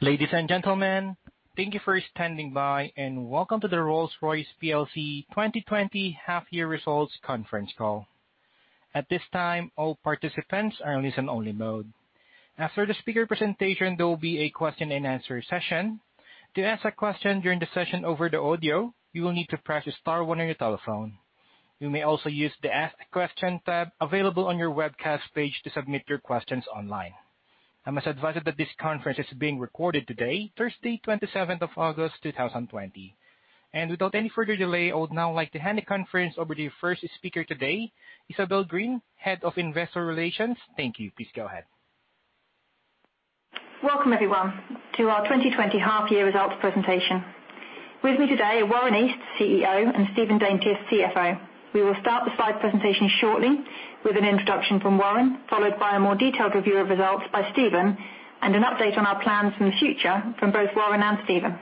Ladies and gentlemen, thank you for standing by, and welcome to the Rolls-Royce plc 2020 half-year results conference call. At this time, all participants are in listen-only mode. After the speaker presentation, there will be a question-and-answer session. To ask a question during the session over the audio, you will need to press star one on your telephone. You may also use the Ask Question tab available on your webcast page to submit your questions online. I must advise you that this conference is being recorded today, Thursday, 27th of August, 2020. Without any further delay, I would now like to hand the conference over to the first speaker today, Isabel Green, Head of Investor Relations. Thank you. Please go ahead. Welcome, everyone, to our 2020 half-year results presentation. With me today are Warren East, CEO, and Stephen Daintith, CFO. We will start the slide presentation shortly with an introduction from Warren, followed by a more detailed review of results by Stephen, and an update on our plans for the future from both Warren and Stephen.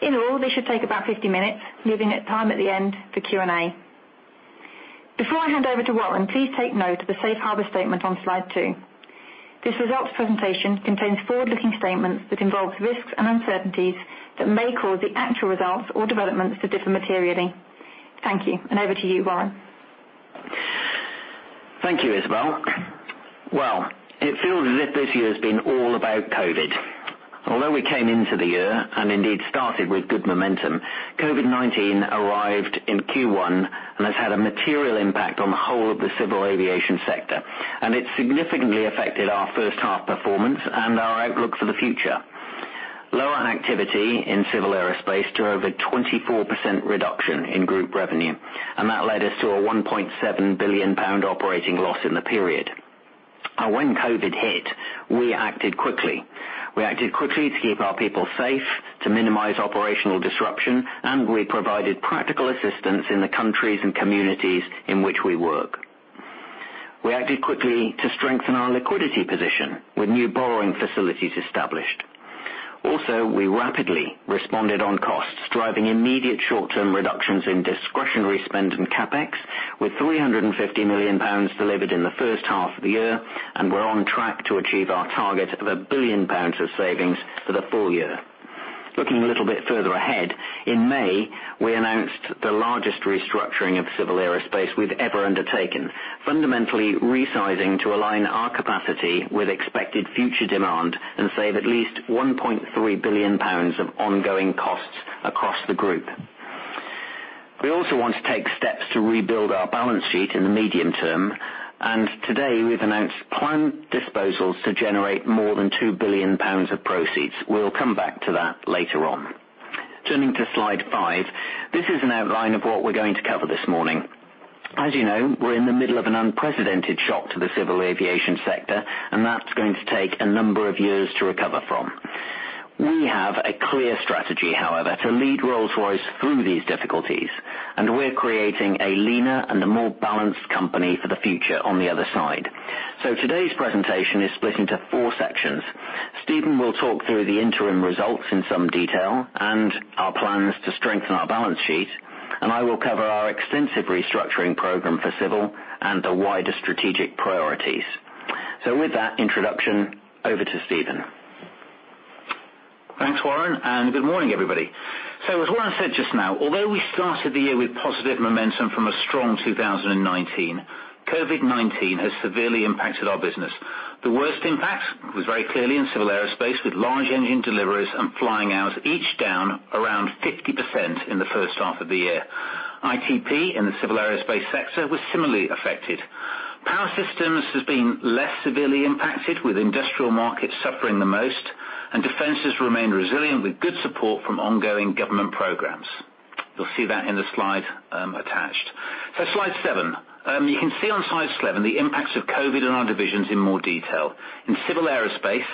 In all, this should take about 50 minutes, leaving time at the end for Q&A. Before I hand over to Warren, please take note of the Safe Harbor statement on slide two. This results presentation contains forward-looking statements that involve risks and uncertainties that may cause the actual results or developments to differ materially. Thank you, and over to you, Warren. Thank you, Isabel. Well, it feels as if this year has been all about COVID. Although we came into the year, and indeed started with good momentum, COVID-19 arrived in Q1 and has had a material impact on the whole of the Civil Aerospace sector, and it significantly affected our first half performance and our outlook for the future. Lower activity in Civil Aerospace to over 24% reduction in group revenue, and that led us to a 1.7 billion pound operating loss in the period. Now, when COVID hit, we acted quickly. We acted quickly to keep our people safe, to minimize operational disruption, and we provided practical assistance in the countries and communities in which we work. We acted quickly to strengthen our liquidity position with new borrowing facilities established. We rapidly responded on costs, driving immediate short-term reductions in discretionary spend and CapEx, with 350 million pounds delivered in the first half of the year, and we're on track to achieve our target of 1 billion pounds of savings for the full-year. Looking a little bit further ahead, in May, we announced the largest restructuring of Civil Aerospace we've ever undertaken, fundamentally resizing to align our capacity with expected future demand and save at least 1.3 billion pounds of ongoing costs across the group. We also want to take steps to rebuild our balance sheet in the medium term. Today we've announced planned disposals to generate more than 2 billion pounds of proceeds. We'll come back to that later on. Turning to slide five. This is an outline of what we're going to cover this morning. As you know, we're in the middle of an unprecedented shock to the civil aviation sector, and that's going to take a number of years to recover from. We have a clear strategy, however, to lead Rolls-Royce through these difficulties, and we're creating a leaner and a more balanced company for the future on the other side. Today's presentation is split into four sections. Stephen will talk through the interim results in some detail and our plans to strengthen our balance sheet, and I will cover our extensive restructuring program for Civil and the wider strategic priorities. With that introduction, over to Stephen. Thanks, Warren. Good morning, everybody. As Warren said just now, although we started the year with positive momentum from a strong 2019, COVID-19 has severely impacted our business. The worst impact was very clearly in Civil Aerospace, with large engine deliveries and flying hours each down around 50% in the first half of the year. ITP in the Civil Aerospace sector was similarly affected. Power Systems has been less severely impacted, with industrial markets suffering the most. Defence has remained resilient with good support from ongoing government programs. You'll see that in the slide attached. Slide seven. You can see on slide seven the impacts of COVID on our divisions in more detail. In Civil Aerospace,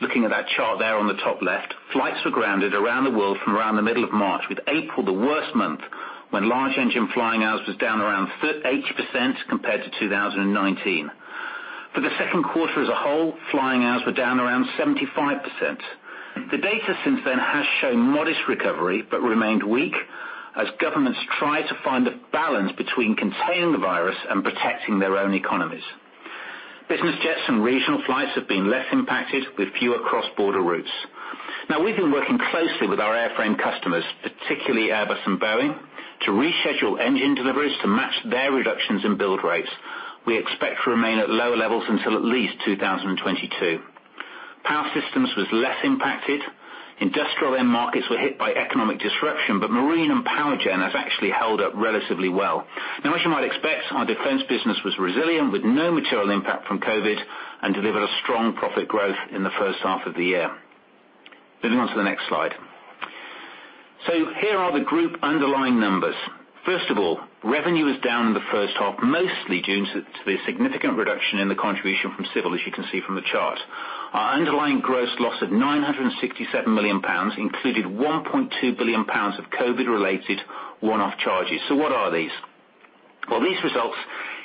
looking at that chart there on the top left, flights were grounded around the world from around the middle of March, with April the worst month, when large engine flying hours was down around 80% compared to 2019. For the second quarter as a whole, flying hours were down around 75%. The data since then has shown modest recovery but remained weak as governments try to find a balance between containing the virus and protecting their own economies. Business jets and regional flights have been less impacted, with fewer cross-border routes. We've been working closely with our airframe customers, particularly Airbus and Boeing, to reschedule engine deliveries to match their reductions in build rates. We expect to remain at lower levels until at least 2022. Power Systems was less impacted. Industrial end markets were hit by economic disruption. Marine and Power Gen has actually held up relatively well. As you might expect, our Defence business was resilient with no material impact from COVID and delivered a strong profit growth in the first half of the year. Moving on to the next slide. Here are the group underlying numbers. Revenue is down in the first half, mostly due to the significant reduction in the contribution from Civil, as you can see from the chart. Our underlying gross loss of 967 million pounds included 1.2 billion pounds of COVID-related one-off charges. What are these? These results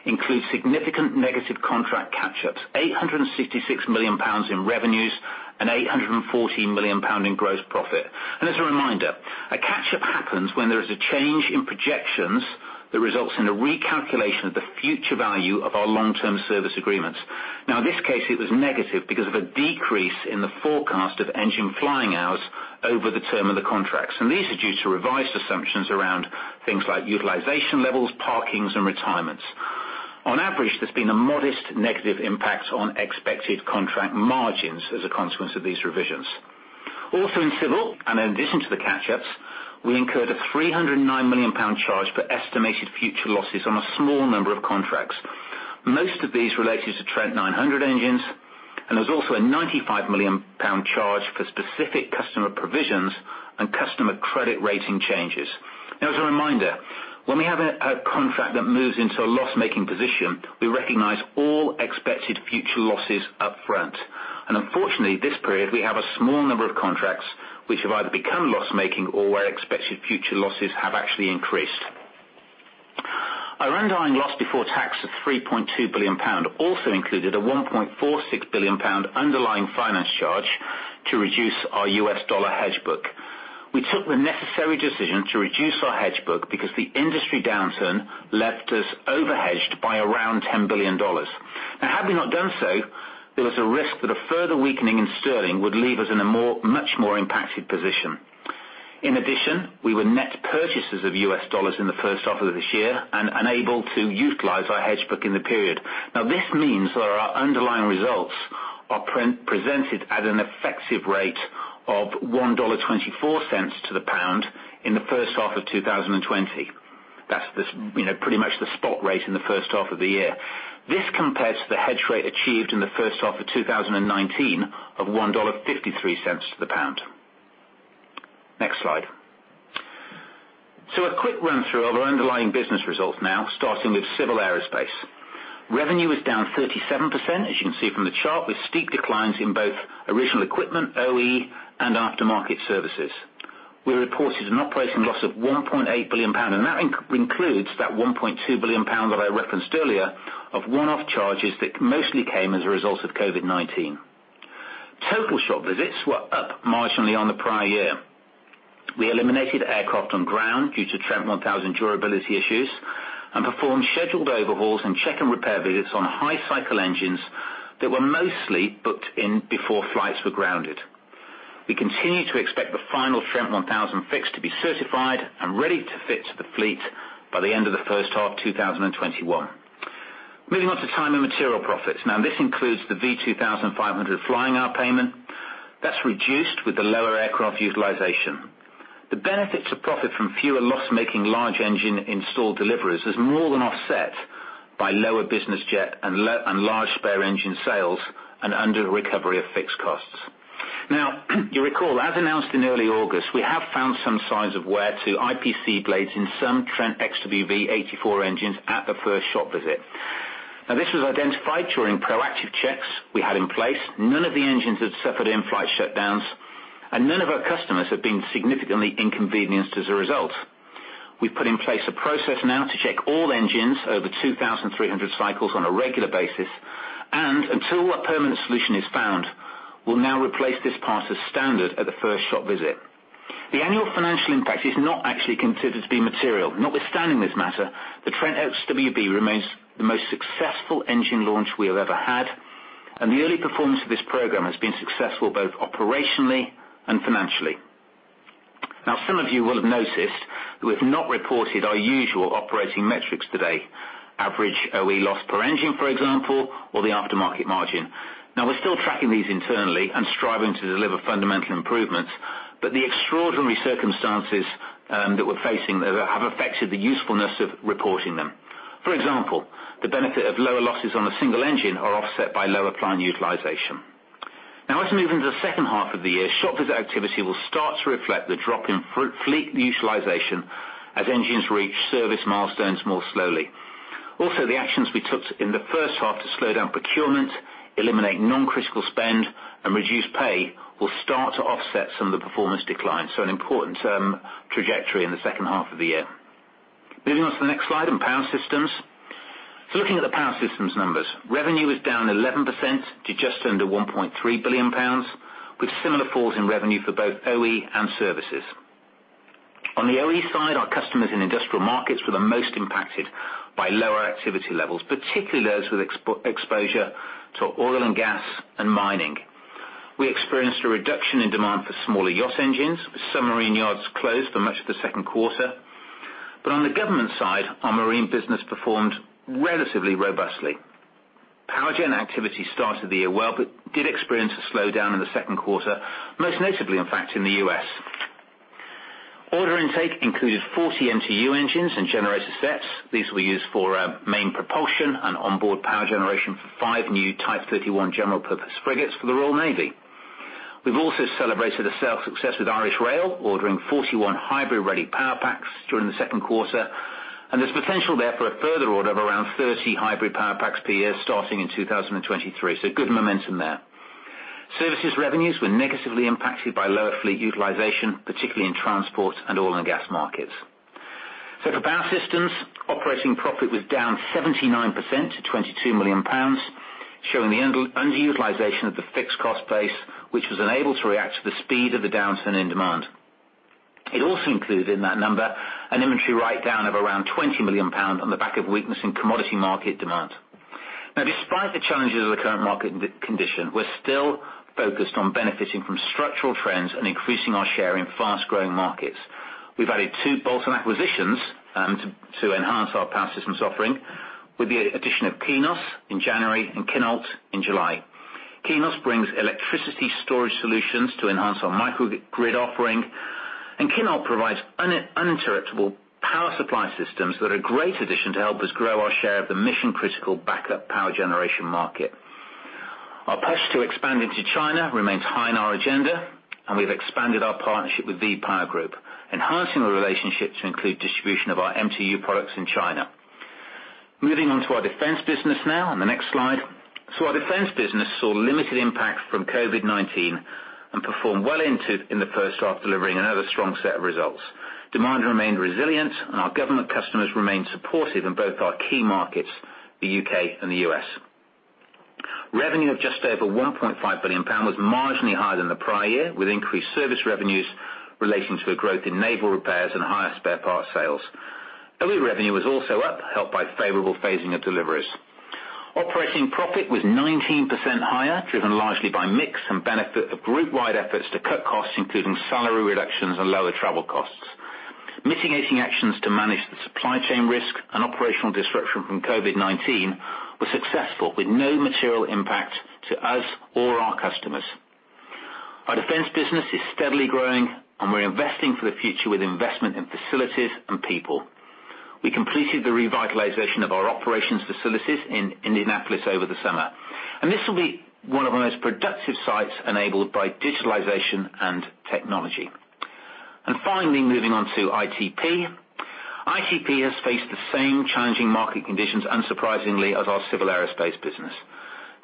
include significant negative contract catch-ups, 866 million pounds in revenues and 814 million pounds in gross profit. As a reminder, a catch-up happens when there is a change in projections that results in a recalculation of the future value of our long-term service agreements. Now this case, it was negative because of a decrease in the forecast of engine flying hours over the term of the contracts. These are due to revised assumptions around things like utilization levels, parkings, and retirements. On average, there's been a modest negative impact on expected contract margins as a consequence of these revisions. Also in Civil, and in addition to the catch-ups, we incurred a 309 million pound charge for estimated future losses on a small number of contracts. Most of these related to Trent 900 engines, and there was also a 95 million pound charge for specific customer provisions and customer credit rating changes. As a reminder, when we have a contract that moves into a loss-making position, we recognize all expected future losses up front. Unfortunately, this period, we have a small number of contracts which have either become loss-making or where expected future losses have actually increased. Our underlying loss before tax of GBP 3.2 billion also included a GBP 1.46 billion underlying finance charge to reduce our US dollar hedge book. We took the necessary decision to reduce our hedge book because the industry downturn left us overhedged by around $10 billion. Had we not done so, there was a risk that a further weakening in sterling would leave us in a much more impacted position. In addition, we were net purchasers of US dollars in the first half of this year and unable to utilize our hedge book in the period. This means that our underlying results are presented at an effective rate of $1.24 to the pound in the first half of 2020. That's pretty much the spot rate in the first half of the year. This compares to the hedge rate achieved in the first half of 2019 of $1.53 to the pound. Next slide. A quick run through of our underlying business results now, starting with Civil Aerospace. Revenue was down 37%, as you can see from the chart, with steep declines in both original equipment, OE, and aftermarket services. We reported an operating loss of GBP 1.8 billion, and that includes that GBP 1.2 billion that I referenced earlier of one-off charges that mostly came as a result of COVID-19. Total shop visits were up marginally on the prior year. We eliminated aircraft on ground due to Trent 1000 durability issues and performed scheduled overhauls and check and repair visits on high cycle engines that were mostly booked in before flights were grounded. We continue to expect the final Trent 1000 fix to be certified and ready to fit to the fleet by the end of the first half 2021. Moving on to time and material profits. This includes the V2500 flying hour payment. That's reduced with the lower aircraft utilization. The benefits of profit from fewer loss-making large engine installed deliveries is more than offset by lower business jet and large spare engine sales and under recovery of fixed costs. You recall, as announced in early August, we have found some signs of wear to IPC blades in some Trent XWB-84 engines at the first shop visit. This was identified during proactive checks we had in place. None of the engines had suffered in-flight shutdowns and none of our customers have been significantly inconvenienced as a result. We've put in place a process now to check all engines over 2,300 cycles on a regular basis, and until a permanent solution is found, we'll now replace this part as standard at the first shop visit. The annual financial impact is not actually considered to be material. Notwithstanding this matter, the Trent XWB remains the most successful engine launch we have ever had, and the early performance of this program has been successful both operationally and financially. Some of you will have noticed that we've not reported our usual operating metrics today. Average OE loss per engine, for example, or the aftermarket margin. We're still tracking these internally and striving to deliver fundamental improvements. The extraordinary circumstances that we're facing have affected the usefulness of reporting them. For example, the benefit of lower losses on a single engine are offset by lower plan utilization. As we move into the second half of the year, shop visit activity will start to reflect the drop in fleet utilization as engines reach service milestones more slowly. Also, the actions we took in the first half to slow down procurement, eliminate non-critical spend, and reduce pay will start to offset some of the performance declines. An important term trajectory in the second half of the year. Moving on to the next slide on Power Systems. Looking at the Power Systems numbers, revenue was down 11% to just under 1.3 billion pounds, with similar falls in revenue for both OE and services. On the OE side, our customers in industrial markets were the most impacted by lower activity levels, particularly those with exposure to oil and gas and mining. We experienced a reduction in demand for smaller yacht engines, with submarine yards closed for much of the second quarter. On the government side, our marine business performed relatively robustly. Power gen activity started the year well but did experience a slowdown in the second quarter, most notably, in fact, in the U.S. Order intake included 40 MTU engines and generator sets. These will be used for main propulsion and onboard power generation for five new Type 31 general-purpose frigates for the Royal Navy. We've also celebrated a sales success with Irish Rail, ordering 41 hybrid-ready power packs during the second quarter, and there's potential there for a further order of around 30 hybrid power packs per year starting in 2023. Good momentum there. Services revenues were negatively impacted by lower fleet utilization, particularly in transport and oil and gas markets. For Power Systems, operating profit was down 79% to GBP 22 million, showing the underutilization of the fixed cost base, which was unable to react to the speed of the downturn in demand. It also includes in that number an inventory write-down of around 20 million pound on the back of weakness in commodity market demand. Despite the challenges of the current market condition, we're still focused on benefiting from structural trends and increasing our share in fast-growing markets. We've added two bolt-on acquisitions to enhance our Power Systems offering, with the addition of Qinous in January and Kinolt in July. Qinous brings electricity storage solutions to enhance our microgrid offering, Kinolt provides uninterruptible power supply systems that are great addition to help us grow our share of the mission-critical backup power generation market. Our push to expand into China remains high on our agenda, and we've expanded our partnership with VPower Group, enhancing the relationship to include distribution of our MTU products in China. Moving on to our Defence business now, on the next slide. Our Defence business saw limited impact from COVID-19 and performed well in the first half, delivering another strong set of results. Demand remained resilient, and our government customers remained supportive in both our key markets, the U.K. and the U.S. Revenue of just over 1.5 billion pound was marginally higher than the prior year, with increased service revenues relating to a growth in naval repairs and higher spare parts sales. OE revenue was also up, helped by favorable phasing of deliveries. Operating profit was 19% higher, driven largely by mix and benefit of group-wide efforts to cut costs, including salary reductions and lower travel costs. Mitigating actions to manage the supply chain risk and operational disruption from COVID-19 were successful, with no material impact to us or our customers. Our Defence business is steadily growing, and we're investing for the future with investment in facilities and people. We completed the revitalization of our operations facilities in Indianapolis over the summer. This will be one of our most productive sites enabled by digitalization and technology. Finally, moving on to ITP. ITP has faced the same challenging market conditions, unsurprisingly, as our Civil Aerospace business.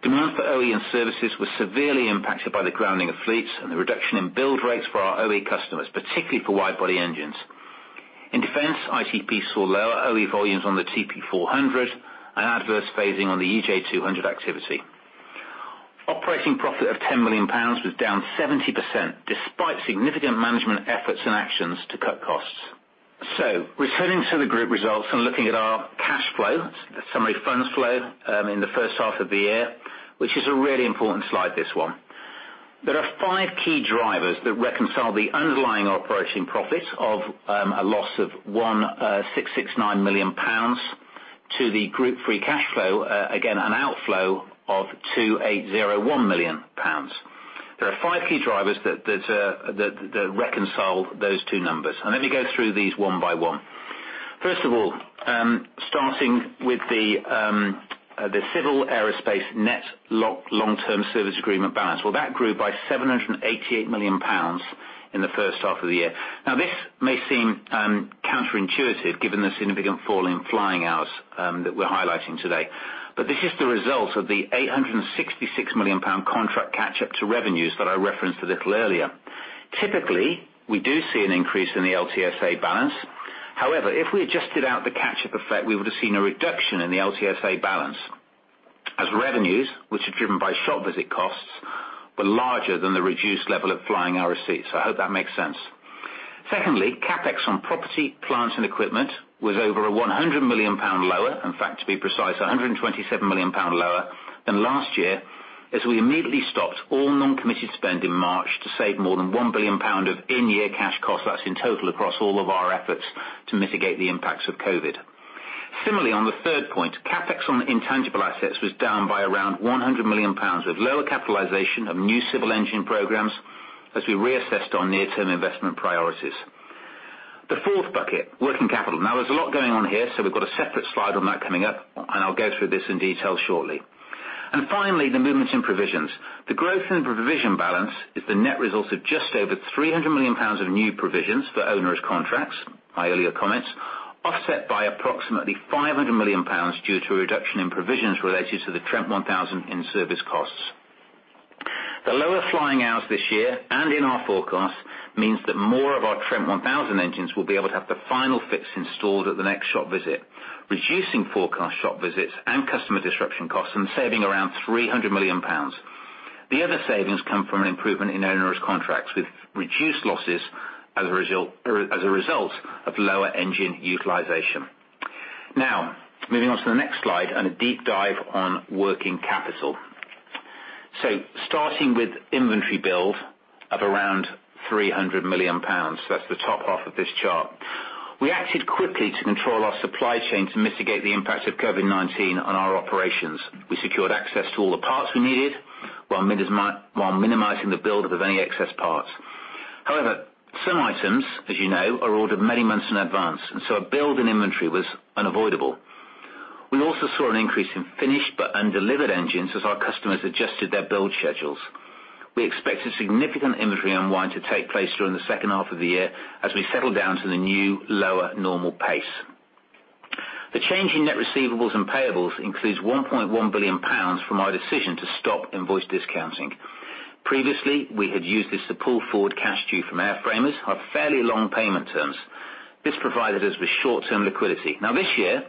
Demand for OE and services was severely impacted by the grounding of fleets and the reduction in build rates for our OE customers, particularly for wide body engines. In Defence, ITP saw lower OE volumes on the TP400 and adverse phasing on the EJ200 activity. Operating profit of 10 million pounds was down 70%, despite significant management efforts and actions to cut costs. Returning to the group results and looking at our cash flow, the summary funds flow in the first half of the year, which is a really important slide, this one. There are five key drivers that reconcile the underlying operating profit of a loss of 1,669 million pounds to the group free cash flow, again, an outflow of 2,801 million pounds. There are five key drivers that reconcile those two numbers, let me go through these one by one. Starting with the Civil Aerospace net Long-Term Service Agreement balance. That grew by 788 million pounds in the first half of the year. This may seem counterintuitive given the significant fall in flying hours that we're highlighting today. This is the result of the 866 million pound contract catch-up to revenues that I referenced a little earlier. Typically, we do see an increase in the LTSA balance. However, if we adjusted out the catch-up effect, we would have seen a reduction in the LTSA balance as revenues, which are driven by shop visit costs, were larger than the reduced level of flying hour receipts. I hope that makes sense. Secondly, CapEx on property, plant, and equipment was over 100 million pound lower. In fact, to be precise, 127 million pound lower than last year, as we immediately stopped all non-committed spend in March to save more than 1 billion pound of in-year cash costs. That's in total across all of our efforts to mitigate the impacts of COVID. Similarly, on the third point, CapEx on intangible assets was down by around 100 million pounds, with lower capitalization of new civil engine programs as we reassessed our near-term investment priorities. The fourth bucket, working capital. There's a lot going on here, so we've got a separate slide on that coming up, and I'll go through this in detail shortly. Finally, the movements in provisions. The growth in provision balance is the net result of just over 300 million pounds of new provisions for onerous contracts, my earlier comments, offset by approximately 500 million pounds due to a reduction in provisions related to the Trent 1000 in-service costs. The lower flying hours this year, and in our forecast, means that more of our Trent 1000 engines will be able to have the final fix installed at the next shop visit, reducing forecast shop visits and customer disruption costs and saving around 300 million pounds. The other savings come from an improvement in onerous contracts, with reduced losses as a result of lower engine utilization. Moving on to the next slide and a deep dive on working capital. Starting with inventory build of around 300 million pounds. That's the top half of this chart. We acted quickly to control our supply chain to mitigate the impact of COVID-19 on our operations. We secured access to all the parts we needed while minimizing the build of any excess parts. Some items, as you know, are ordered many months in advance, a build in inventory was unavoidable. We also saw an increase in finished but undelivered engines as our customers adjusted their build schedules. We expect a significant inventory unwind to take place during the second half of the year as we settle down to the new, lower normal pace. The change in net receivables and payables includes GBP 1.1 billion from our decision to stop invoice discounting. Previously, we had used this to pull forward cash due from airframers who have fairly long payment terms. This provided us with short-term liquidity. This year,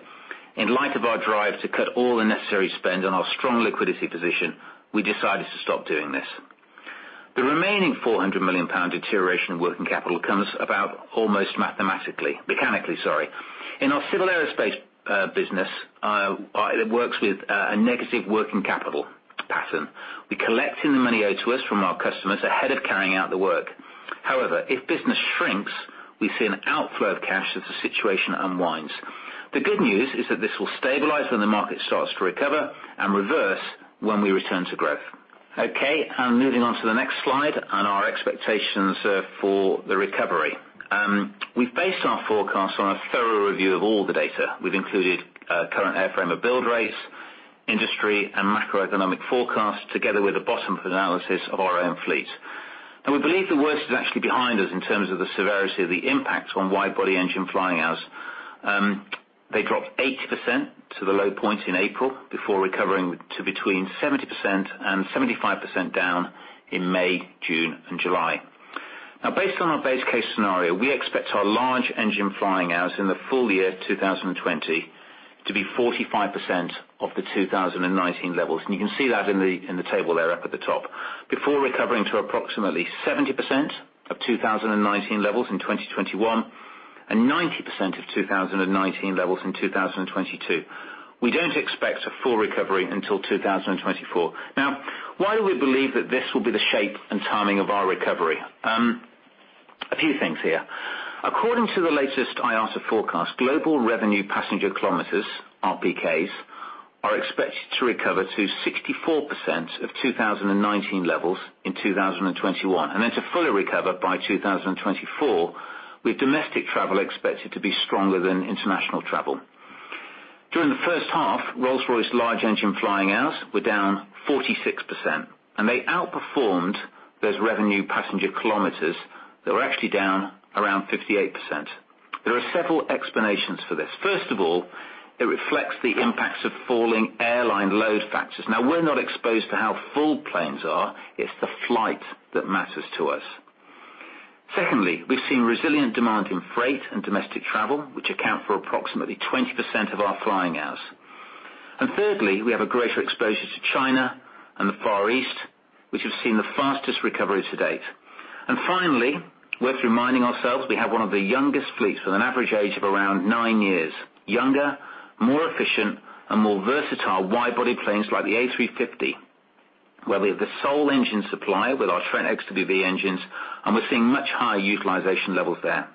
in light of our drive to cut all the necessary spend and our strong liquidity position, we decided to stop doing this. The remaining 400 million pound deterioration of working capital comes about almost mechanically. In our Civil Aerospace business, it works with a negative working capital pattern. We collect any money owed to us from our customers ahead of carrying out the work. If business shrinks, we see an outflow of cash as the situation unwinds. The good news is that this will stabilize when the market starts to recover and reverse when we return to growth. Moving on to the next slide and our expectations for the recovery. We base our forecast on a thorough review of all the data. We've included current airframer build rates, industry, and macroeconomic forecasts together with a bottom-up analysis of our own fleet. We believe the worst is actually behind us in terms of the severity of the impact on wide-body engine flying hours. They dropped 80% to the low point in April before recovering to between 70% and 75% down in May, June and July. Based on our base case scenario, we expect our large engine flying hours in the full-year 2020 to be 45% of the 2019 levels, and you can see that in the table there up at the top. Before recovering to approximately 70% of 2019 levels in 2021, and 90% of 2019 levels in 2022. We don't expect a full recovery until 2024. Why do we believe that this will be the shape and timing of our recovery? A few things here. According to the latest IATA forecast, global revenue passenger kilometers, RPKs, are expected to recover to 64% of 2019 levels in 2021, and then to fully recover by 2024, with domestic travel expected to be stronger than international travel. During the first half, Rolls-Royce large engine flying hours were down 46%, and they outperformed those revenue passenger kilometers that were actually down around 58%. There are several explanations for this. First of all, it reflects the impacts of falling airline load factors. Now, we're not exposed to how full planes are. It's the flight that matters to us. Secondly, we've seen resilient demand in freight and domestic travel, which account for approximately 20% of our flying hours. Thirdly, we have a greater exposure to China and the Far East, which have seen the fastest recovery to date. Finally, worth reminding ourselves, we have one of the youngest fleets with an average age of around nine years. Younger, more efficient, and more versatile wide-body planes like the A350, where we have the sole engine supplier with our Trent XWB engines, and we're seeing much higher utilization levels there.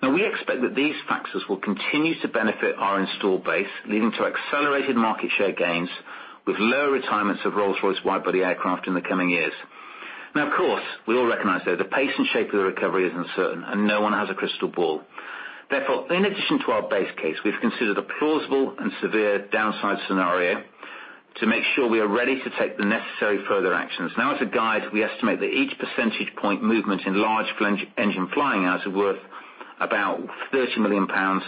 We expect that these factors will continue to benefit our install base, leading to accelerated market share gains with lower retirements of Rolls-Royce wide-body aircraft in the coming years. Of course, we all recognize, though, the pace and shape of the recovery is uncertain and no one has a crystal ball. Therefore, in addition to our base case, we've considered a plausible and severe downside scenario to make sure we are ready to take the necessary further actions. As a guide, we estimate that each percentage point movement in large engine flying hours are worth about 30 million pounds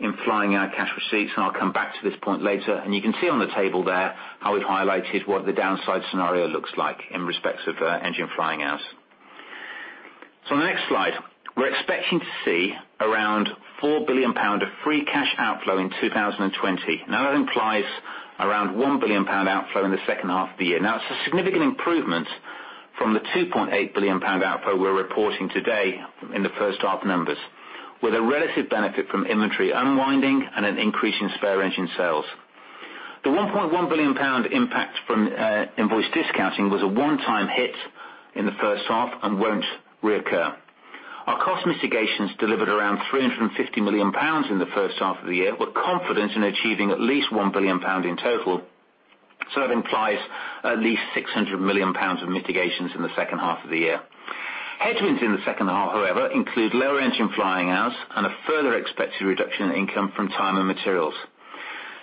in flying hour cash receipts, and I'll come back to this point later. You can see on the table there how we've highlighted what the downside scenario looks like in respect of engine flying hours. On the next slide, we're expecting to see around 4 billion pound of free cash outflow in 2020. That implies around 1 billion pound outflow in the second half of the year. It's a significant improvement from the 2.8 billion pound outflow we're reporting today in the first half numbers, with a relative benefit from inventory unwinding and an increase in spare engine sales. The 1.1 billion pound impact from invoice discounting was a one-time hit in the first half and won't reoccur. Our cost mitigations delivered around 350 million pounds in the first half of the year. We're confident in achieving at least 1 billion pound in total. That implies at least 600 million pounds of mitigations in the second half of the year. Headwinds in the second half, however, include lower engine flying hours and a further expected reduction in income from time and materials.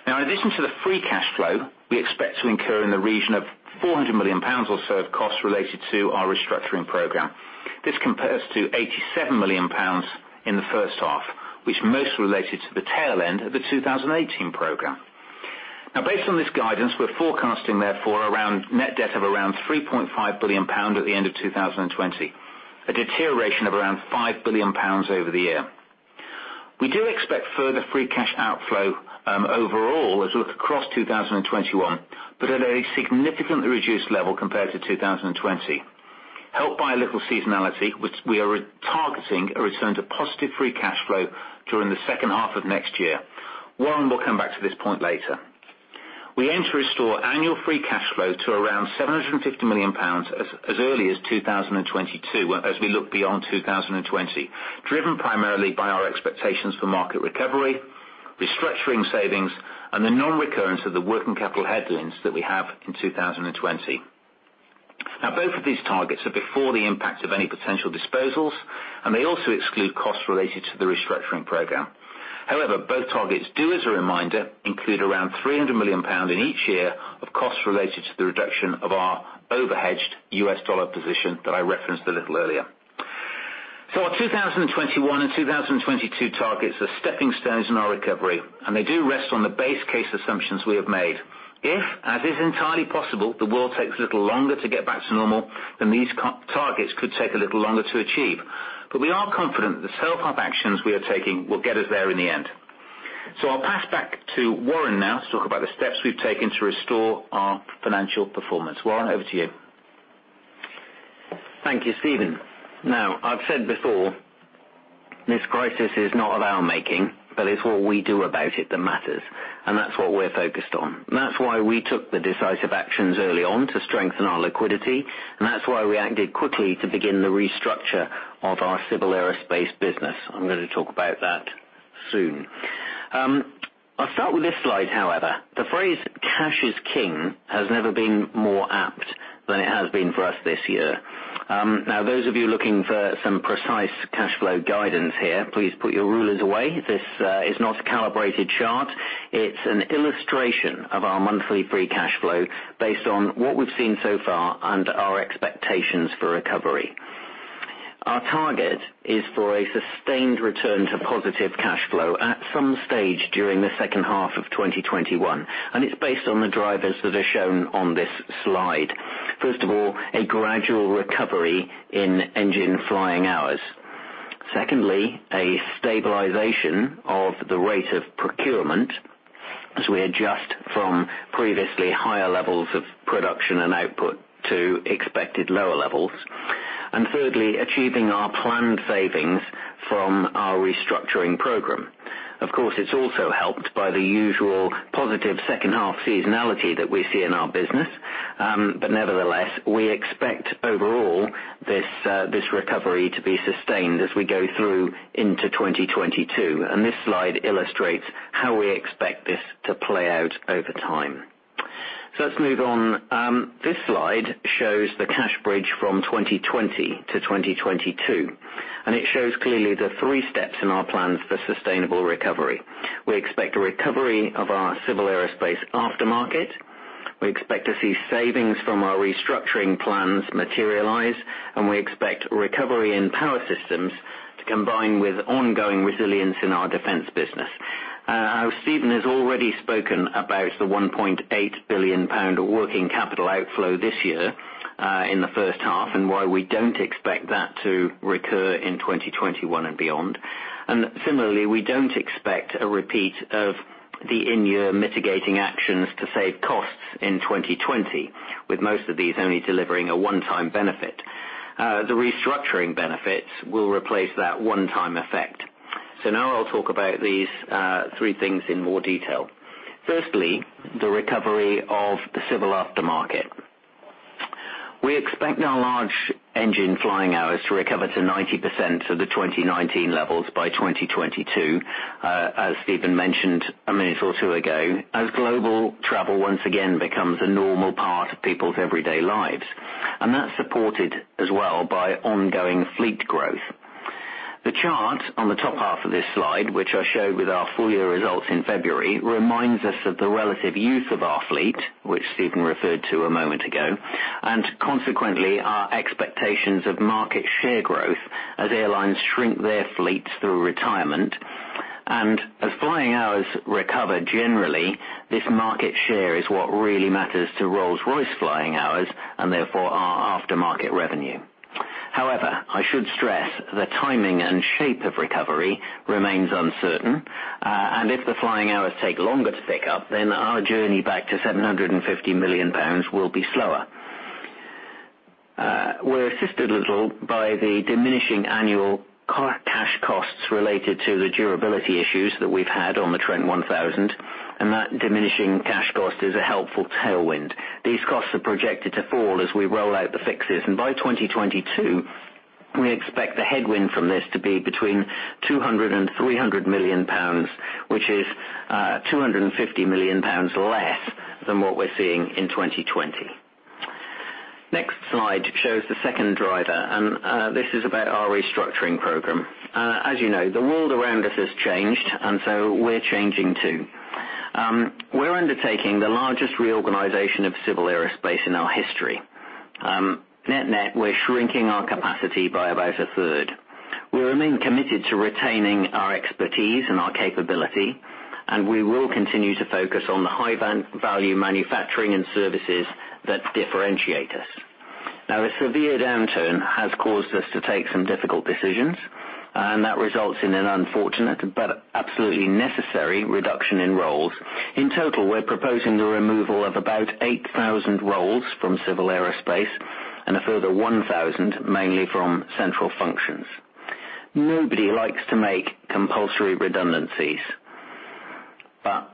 In addition to the free cash flow, we expect to incur in the region of 400 million pounds or so of costs related to our restructuring program. This compares to 87 million pounds in the first half, which mostly related to the tail end of the 2018 program. Based on this guidance, we're forecasting therefore a net debt of around GBP 3.5 billion at the end of 2020, a deterioration of around GBP 5 billion over the year. We do expect further free cash outflow overall as we look across 2021, but at a significantly reduced level compared to 2020. Helped by a little seasonality, we are targeting a return to positive free cash flow during the second half of next year. Warren will come back to this point later. We aim to restore annual free cash flow to around 750 million pounds as early as 2022 as we look beyond 2020, driven primarily by our expectations for market recovery, restructuring savings, and the non-recurrence of the working capital headwinds that we have in 2020. Both of these targets are before the impact of any potential disposals, and they also exclude costs related to the restructuring program. Both targets do, as a reminder, include around 300 million pounds in each year of costs related to the reduction of our over-hedged US dollar position that I referenced a little earlier. Our 2021 and 2022 targets are stepping stones in our recovery, and they do rest on the base case assumptions we have made. If, as is entirely possible, the world takes a little longer to get back to normal, then these targets could take a little longer to achieve. We are confident that the self-help actions we are taking will get us there in the end. I'll pass back to Warren now to talk about the steps we've taken to restore our financial performance. Warren, over to you. Thank you, Stephen. I've said before, this crisis is not of our making, but it's what we do about it that matters, and that's what we're focused on. That's why we took the decisive actions early on to strengthen our liquidity, and that's why we acted quickly to begin the restructure of our Civil Aerospace business. I'm going to talk about that soon. I'll start with this slide, however. The phrase, "Cash is king," has never been more apt than it has been for us this year. Those of you looking for some precise cashflow guidance here, please put your rulers away. This is not a calibrated chart. It's an illustration of our monthly free cashflow based on what we've seen so far and our expectations for recovery. Our target is for a sustained return to positive cashflow at some stage during the second half of 2021. It's based on the drivers that are shown on this slide. First of all, a gradual recovery in engine flying hours. Secondly, a stabilization of the rate of procurement as we adjust from previously higher levels of production and output to expected lower levels. Thirdly, achieving our planned savings from our restructuring program. Of course, it's also helped by the usual positive second half seasonality that we see in our business. Nevertheless, we expect overall, this recovery to be sustained as we go through into 2022. This slide illustrates how we expect this to play out over time. Let's move on. This slide shows the cash bridge from 2020 to 2022, and it shows clearly the three steps in our plans for sustainable recovery. We expect a recovery of our Civil Aerospace aftermarket. We expect to see savings from our restructuring plans materialize, and we expect recovery in Power Systems to combine with ongoing resilience in our Defence business. Stephen has already spoken about the 1.8 billion pound working capital outflow this year in the first half, and why we don't expect that to recur in 2021 and beyond. Similarly, we don't expect a repeat of the in-year mitigating actions to save costs in 2020, with most of these only delivering a one-time benefit. The restructuring benefits will replace that one-time effect. Now I'll talk about these three things in more detail. Firstly, the recovery of the Civil aftermarket. We expect our large engine flying hours to recover to 90% of the 2019 levels by 2022, as Stephen mentioned a minute or two ago, as global travel once again becomes a normal part of people's everyday lives. That's supported as well by ongoing fleet growth. The chart on the top half of this slide, which I showed with our full year results in February, reminds us of the relative use of our fleet, which Stephen referred to a moment ago, and consequently, our expectations of market share growth as airlines shrink their fleets through retirement. As flying hours recover generally, this market share is what really matters to Rolls-Royce flying hours, and therefore our aftermarket revenue. However, I should stress the timing and shape of recovery remains uncertain. If the flying hours take longer to pick up, then our journey back to 750 million pounds will be slower. We're assisted a little by the diminishing annual cash costs related to the durability issues that we've had on the Trent 1000, and that diminishing cash cost is a helpful tailwind. These costs are projected to fall as we roll out the fixes, and by 2022, we expect the headwind from this to be between 200 million pounds and 300 million pounds, which is 250 million pounds less than what we're seeing in 2020. Next slide shows the second driver, and this is about our restructuring program. As you know, the world around us has changed, we're changing, too. We're undertaking the largest reorganization of Civil Aerospace in our history. Net net, we're shrinking our capacity by about a third. We remain committed to retaining our expertise and our capability, and we will continue to focus on the high-value manufacturing and services that differentiate us. A severe downturn has caused us to take some difficult decisions, and that results in an unfortunate but absolutely necessary reduction in roles. In total, we're proposing the removal of about 8,000 roles from Civil Aerospace and a further 1,000 mainly from central functions. Nobody likes to make compulsory redundancies, but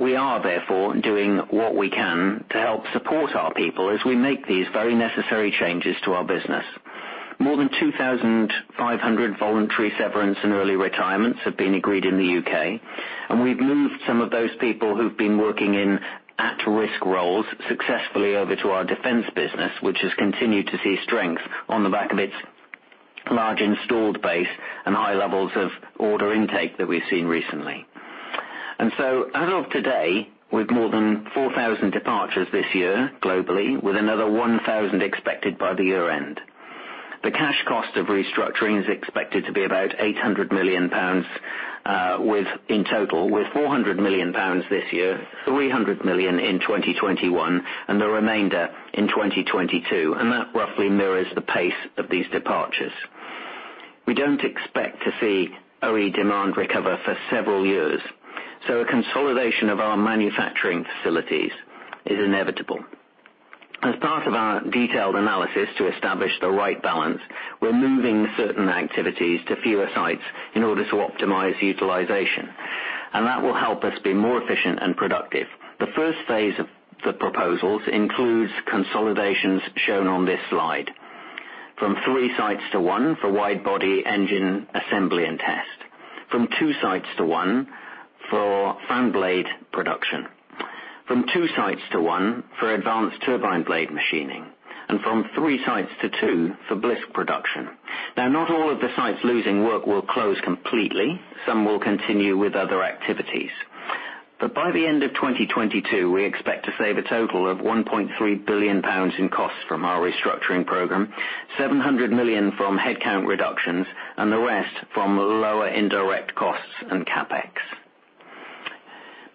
we are, therefore, doing what we can to help support our people as we make these very necessary changes to our business. More than 2,500 voluntary severance and early retirements have been agreed in the U.K. We've moved some of those people who've been working in at-risk roles successfully over to our Defence business, which has continued to see strength on the back of its large installed base and high levels of order intake that we've seen recently. As of today, with more than 4,000 departures this year globally, with another 1,000 expected by the year-end. The cash cost of restructuring is expected to be about 800 million pounds in total, with 400 million pounds this year, 300 million in 2021, and the remainder in 2022. That roughly mirrors the pace of these departures. We don't expect to see OE demand recover for several years. A consolidation of our manufacturing facilities is inevitable. As part of our detailed analysis to establish the right balance, we're moving certain activities to fewer sites in order to optimize utilization, and that will help us be more efficient and productive. The first phase of the proposals includes consolidations shown on this slide. From three sites to one for wide body engine assembly and test. From two sites to one for fan blade production. From two sites to one for advanced turbine blade machining. From three sites to two for blisk production. Now, not all of the sites losing work will close completely. Some will continue with other activities. By the end of 2022, we expect to save a total of 1.3 billion pounds in costs from our restructuring program, 700 million from headcount reductions, and the rest from lower indirect costs and CapEx.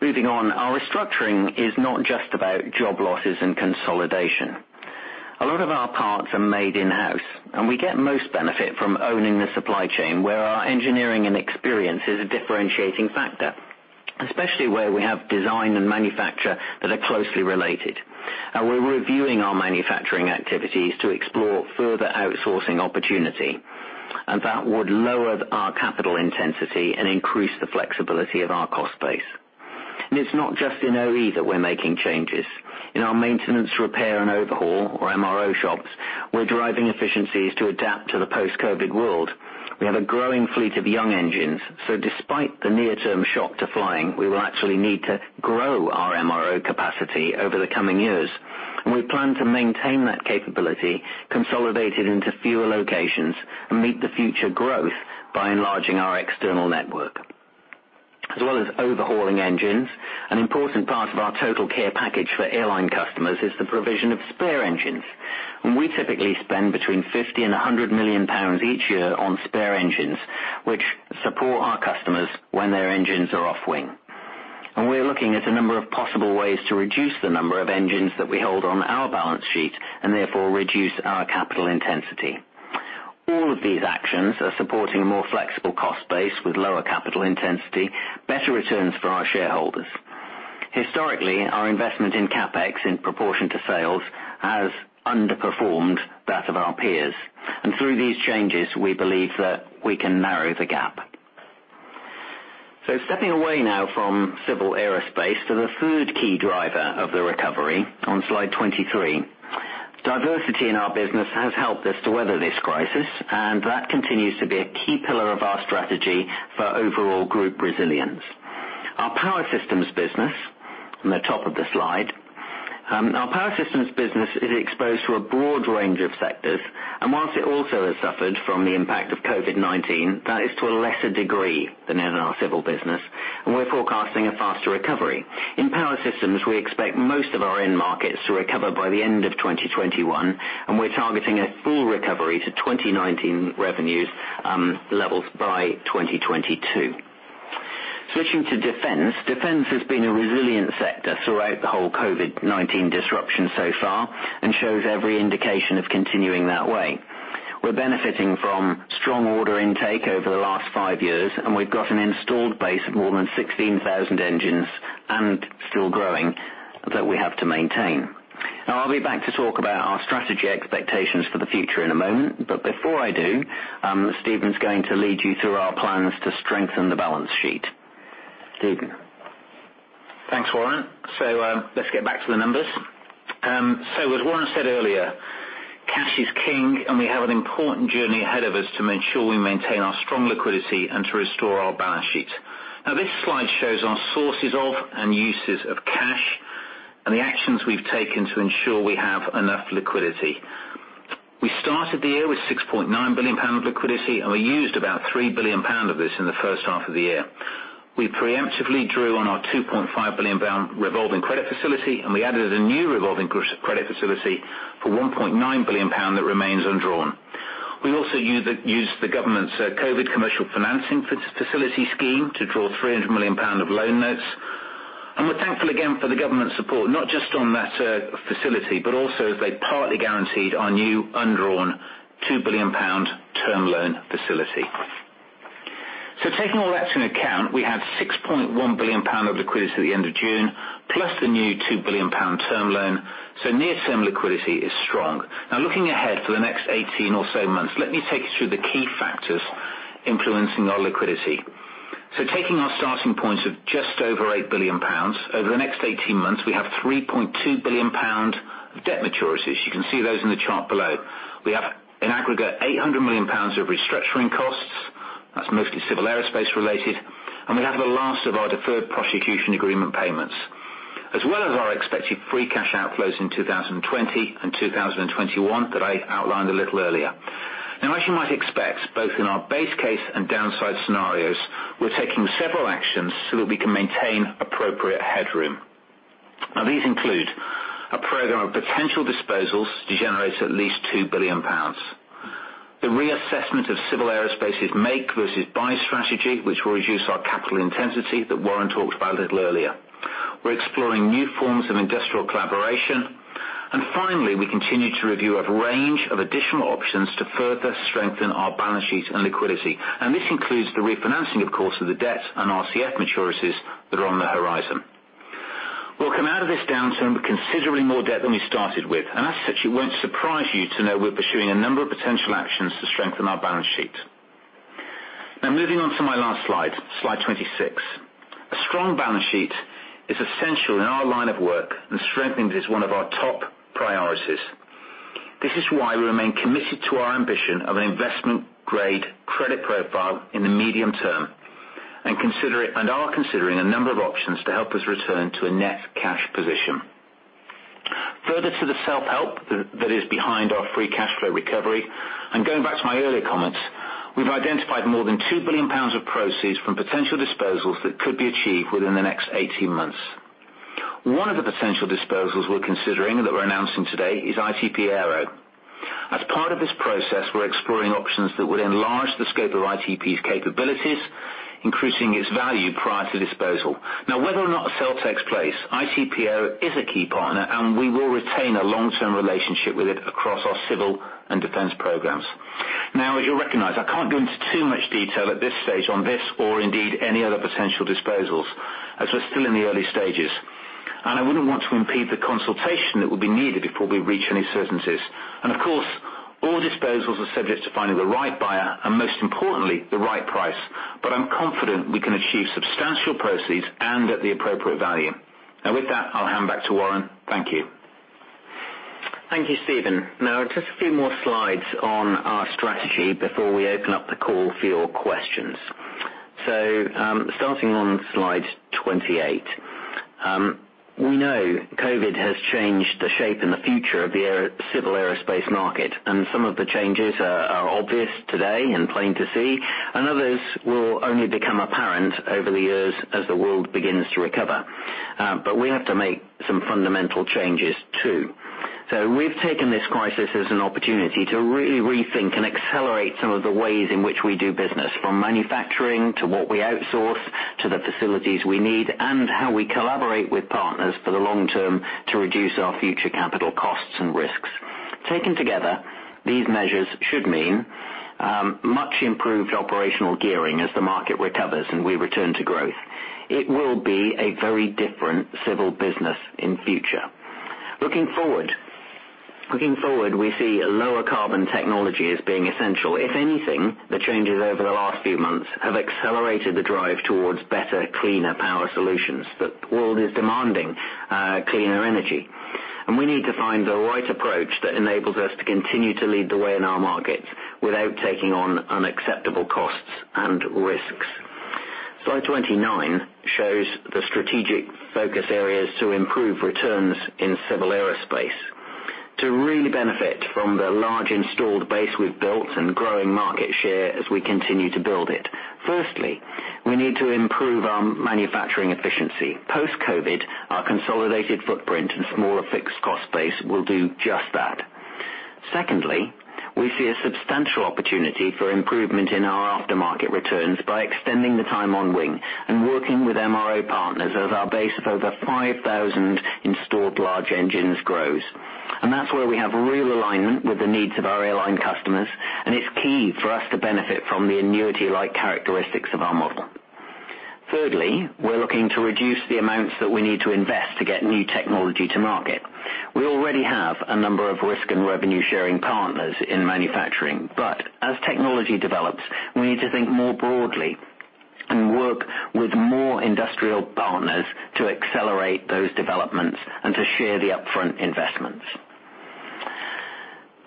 Moving on, our restructuring is not just about job losses and consolidation. A lot of our parts are made in-house, and we get most benefit from owning the supply chain where our engineering and experience is a differentiating factor, especially where we have design and manufacture that are closely related. We're reviewing our manufacturing activities to explore further outsourcing opportunity, and that would lower our capital intensity and increase the flexibility of our cost base. It's not just in OE that we're making changes. In our maintenance, repair, and overhaul, or MRO shops, we're driving efficiencies to adapt to the post-COVID world. We have a growing fleet of young engines, so despite the near-term shock to flying, we will actually need to grow our MRO capacity over the coming years, and we plan to maintain that capability, consolidated into fewer locations, and meet the future growth by enlarging our external network. Overhauling engines, an important part of our TotalCare package for airline customers is the provision of spare engines. We typically spend between 50 million and 100 million pounds each year on spare engines, which support our customers when their engines are off wing. We're looking at a number of possible ways to reduce the number of engines that we hold on our balance sheet, and therefore reduce our capital intensity. All of these actions are supporting a more flexible cost base with lower capital intensity, better returns for our shareholders. Historically, our investment in CapEx in proportion to sales has underperformed that of our peers. Through these changes, we believe that we can narrow the gap. Stepping away now from Civil Aerospace to the third key driver of the recovery on slide 23. Diversity in our business has helped us to weather this crisis, and that continues to be a key pillar of our strategy for overall group resilience. Our Power Systems business on the top of the slide. Our Power Systems business is exposed to a broad range of sectors, and whilst it also has suffered from the impact of COVID-19, that is to a lesser degree than in our Civil business, and we're forecasting a faster recovery. In Power Systems, we expect most of our end markets to recover by the end of 2021, and we're targeting a full recovery to 2019 revenues levels by 2022. Switching to Defence. Defence has been a resilient sector throughout the whole COVID-19 disruption so far and shows every indication of continuing that way. We're benefiting from strong order intake over the last five years, and we've got an installed base of more than 16,000 engines, and still growing, that we have to maintain. Now, I'll be back to talk about our strategy expectations for the future in a moment, but before I do, Stephen's going to lead you through our plans to strengthen the balance sheet. Stephen. Thanks, Warren. Let's get back to the numbers. As Warren said earlier, cash is king, and we have an important journey ahead of us to make sure we maintain our strong liquidity and to restore our balance sheet. This slide shows our sources of and uses of cash and the actions we've taken to ensure we have enough liquidity. We started the year with 6.9 billion pound of liquidity, and we used about 3 billion pound of this in the first half of the year. We preemptively drew on our 2.5 billion pound revolving credit facility, and we added a new revolving credit facility for 1.9 billion pound that remains undrawn. We also used the government's Covid Corporate Financing Facility scheme to draw 300 million pound of loan notes. We're thankful again for the government support, not just on that facility, but also as they partly guaranteed our new undrawn GBP 2 billion term loan facility. Taking all that into account, we had 6.1 billion pound of liquidity at the end of June, plus the new 2 billion pound term loan, so near term liquidity is strong. Looking ahead for the next 18 or so months, let me take you through the key factors influencing our liquidity. Taking our starting point of just over 8 billion pounds, over the next 18 months, we have 3.2 billion pound of debt maturities. You can see those in the chart below. We have an aggregate 800 million pounds of restructuring costs, that's mostly Civil Aerospace related, we have the last of our deferred prosecution agreement payments, as well as our expected free cash outflows in 2020 and 2021 that I outlined a little earlier. As you might expect, both in our base case and downside scenarios, we're taking several actions so that we can maintain appropriate headroom. These include a program of potential disposals to generate at least 2 billion pounds. The reassessment of Civil Aerospace's make versus buy strategy, which will reduce our capital intensity, that Warren talked about a little earlier. We're exploring new forms of industrial collaboration. Finally, we continue to review a range of additional options to further strengthen our balance sheet and liquidity. This includes the refinancing, of course, of the debt and RCF maturities that are on the horizon. We'll come out of this downturn with considerably more debt than we started with. As such, it won't surprise you to know we're pursuing a number of potential actions to strengthen our balance sheet. Moving on to my last slide 26. A strong balance sheet is essential in our line of work. Strengthening it is one of our top priorities. This is why we remain committed to our ambition of an investment-grade credit profile in the medium term. We are considering a number of options to help us return to a net cash position. Further to the self-help that is behind our free cash flow recovery. Going back to my earlier comments, we've identified more than 2 billion pounds of proceeds from potential disposals that could be achieved within the next 18 months. One of the potential disposals we're considering that we're announcing today is ITP Aero. As part of this process, we're exploring options that would enlarge the scope of ITP's capabilities, increasing its value prior to disposal. Whether or not a sale takes place, ITP Aero is a key partner and we will retain a long-term relationship with it across our Civil and Defence programs. You'll recognize, I can't go into too much detail at this stage on this, or indeed, any other potential disposals, as we're still in the early stages. I wouldn't want to impede the consultation that would be needed before we reach any certainties. Of course, all disposals are subject to finding the right buyer, and most importantly, the right price. I'm confident we can achieve substantial proceeds and at the appropriate value. With that, I'll hand back to Warren. Thank you. Thank you, Stephen. Just a few more slides on our strategy before we open up the call for your questions. Starting on slide 28. We know COVID has changed the shape and the future of the Civil Aerospace market, some of the changes are obvious today and plain to see, others will only become apparent over the years as the world begins to recover. We have to make some fundamental changes, too. We've taken this crisis as an opportunity to really rethink and accelerate some of the ways in which we do business, from manufacturing, to what we outsource, to the facilities we need, and how we collaborate with partners for the long term to reduce our future capital costs and risks. Taken together, these measures should mean much improved operational gearing as the market recovers and we return to growth. It will be a very different Civil Aerospace business in future. Looking forward, we see a lower carbon technology as being essential. If anything, the changes over the last few months have accelerated the drive towards better, cleaner power solutions. The world is demanding cleaner energy. We need to find the right approach that enables us to continue to lead the way in our markets without taking on unacceptable costs and risks. Slide 29 shows the strategic focus areas to improve returns in Civil Aerospace to really benefit from the large installed base we've built and growing market share as we continue to build it. Firstly, we need to improve our manufacturing efficiency. Post-COVID, our consolidated footprint and smaller fixed cost base will do just that. Secondly, we see a substantial opportunity for improvement in our aftermarket returns by extending the time on wing, and working with MRO partners as our base of over 5,000 installed large engines grows. That's where we have real alignment with the needs of our airline customers, and it's key for us to benefit from the annuity-like characteristics of our model. Thirdly, we're looking to reduce the amounts that we need to invest to get new technology to market. We already have a number of risk and revenue-sharing partners in manufacturing, but as technology develops, we need to think more broadly and work with more industrial partners to accelerate those developments and to share the upfront investments.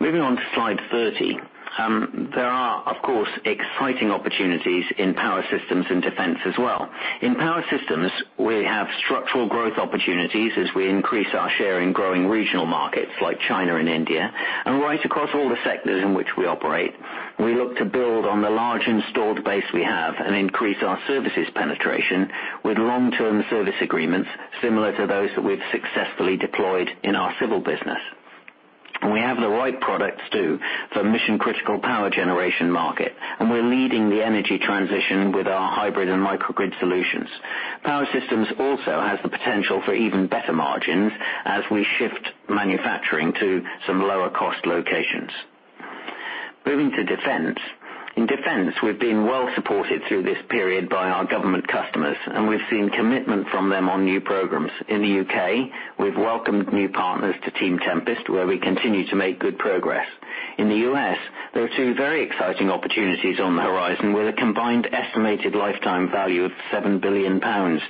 Moving on to slide 30. There are, of course, exciting opportunities in Power Systems and Defence as well. In Power Systems, we have structural growth opportunities as we increase our share in growing regional markets like China and India. Right across all the sectors in which we operate, we look to build on the large installed base we have and increase our services penetration with long-term service agreements, similar to those that we've successfully deployed in our Civil business. We have the right products too, for mission-critical power generation market, and we're leading the energy transition with our hybrid and microgrid solutions. Power Systems also has the potential for even better margins as we shift manufacturing to some lower-cost locations. Moving to Defence. In Defence, we've been well supported through this period by our government customers, and we've seen commitment from them on new programs. In the U.K., we've welcomed new partners to Team Tempest, where we continue to make good progress. In the U.S., there are two very exciting opportunities on the horizon with a combined estimated lifetime value of 7 billion pounds.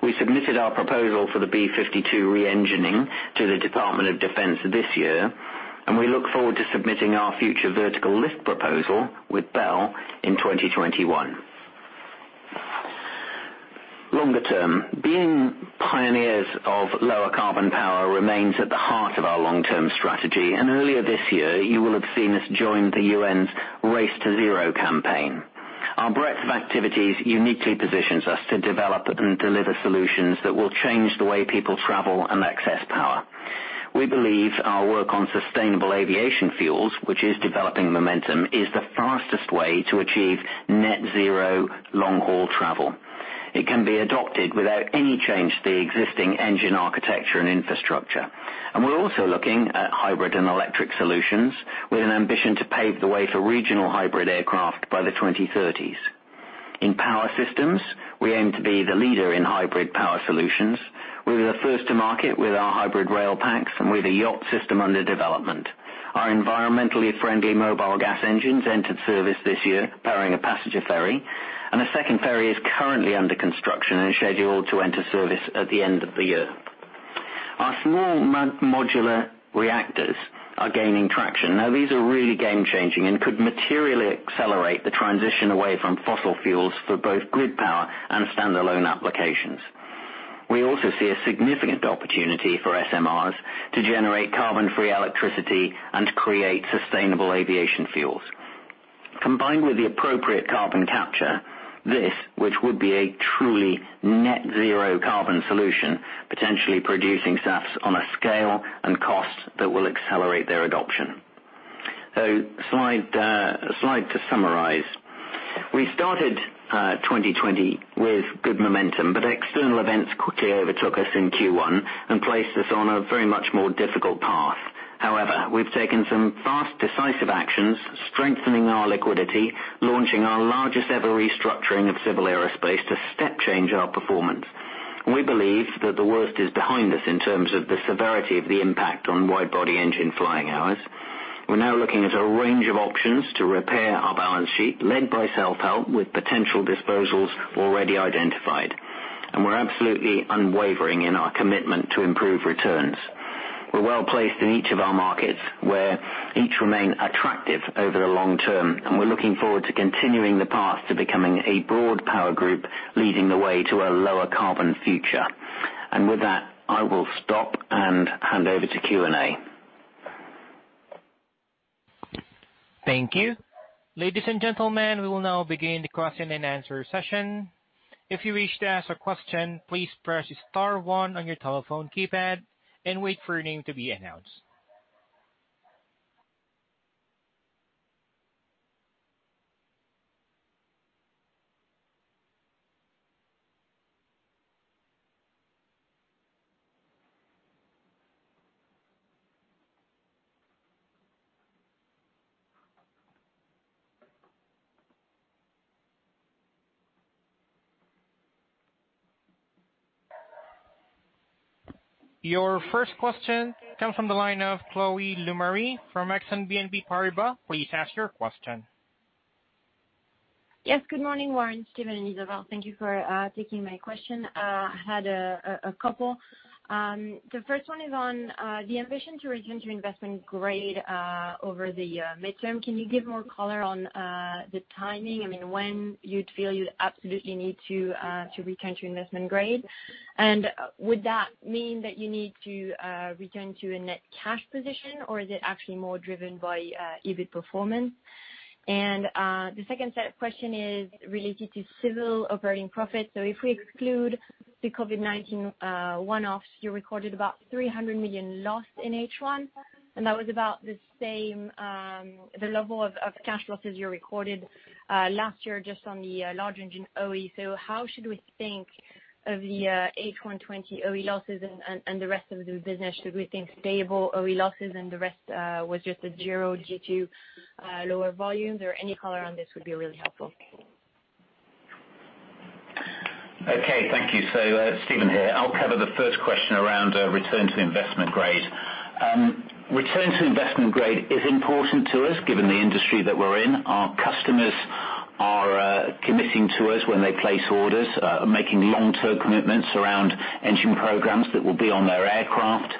We submitted our proposal for the B-52 re-engining to the Department of Defense this year, and we look forward to submitting our Future Vertical Lift proposal with Bell in 2021. Longer term, being pioneers of lower carbon power remains at the heart of our long-term strategy. Earlier this year, you will have seen us join the UN's Race to Zero campaign. Our breadth of activities uniquely positions us to develop and deliver solutions that will change the way people travel and access power. We believe our work on sustainable aviation fuels, which is developing momentum, is the fastest way to achieve net zero long-haul travel. It can be adopted without any change to the existing engine architecture and infrastructure. We're also looking at hybrid and electric solutions with an ambition to pave the way for regional hybrid aircraft by the 2030s. In Power Systems, we aim to be the leader in hybrid power solutions. We were the first to market with our hybrid RailPacks, and with a yacht system under development. Our environmentally friendly mobile gas engines entered service this year, powering a passenger ferry, and a second ferry is currently under construction and scheduled to enter service at the end of the year. Our small modular reactors are gaining traction. These are really game-changing and could materially accelerate the transition away from fossil fuels for both grid power and standalone applications. We also see a significant opportunity for SMRs to generate carbon-free electricity and create sustainable aviation fuels. Combined with the appropriate carbon capture, this, which would be a truly net zero carbon solution, potentially producing SAFs on a scale and cost that will accelerate their adoption. Slide to summarize. We started 2020 with good momentum. External events quickly overtook us in Q1 and placed us on a very much more difficult path. However, we've taken some fast, decisive actions, strengthening our liquidity, launching our largest ever restructuring of Civil Aerospace to step change our performance. We believe that the worst is behind us in terms of the severity of the impact on wide body engine flying hours. We're now looking at a range of options to repair our balance sheet, led by self-help, with potential disposals already identified. We're absolutely unwavering in our commitment to improve returns. We're well-placed in each of our markets, where each remain attractive over the long term, and we're looking forward to continuing the path to becoming a broad power group, leading the way to a lower carbon future. With that, I will stop and hand over to Q&A. Thank you. Ladies and gentlemen, we will now begin the question and answer session. If you wish to ask a question, please press star one on your telephone keypad and wait for your name to be announced. Your first question comes from the line of Chloe Lemarie from Exane BNP Paribas. Please ask your question. Yes, good morning, Warren East, Stephen Daintith, and Isabel Green. Thank you for taking my question. I had a couple. The first one is on the ambition to return to investment grade over the midterm. Can you give more color on the timing? I mean, when you'd feel you absolutely need to return to investment grade? Would that mean that you need to return to a net cash position, or is it actually more driven by EBIT performance? The second set of question is related to Civil Aerospace operating profits. If we exclude the COVID-19 one-offs, you recorded about a 300 million loss in H1, and that was about the same, the level of cash losses you recorded last year just on the large engine OE. How should we think of the H1 2020 OE losses and the rest of the business? Should we think stable OE losses and the rest was just a zero due to lower volumes? Any color on this would be really helpful. Okay, thank you. Stephen here. I'll cover the first question around return to the investment grade. Returning to investment grade is important to us, given the industry that we're in. Our customers are committing to us when they place orders, making long-term commitments around engine programs that will be on their aircraft.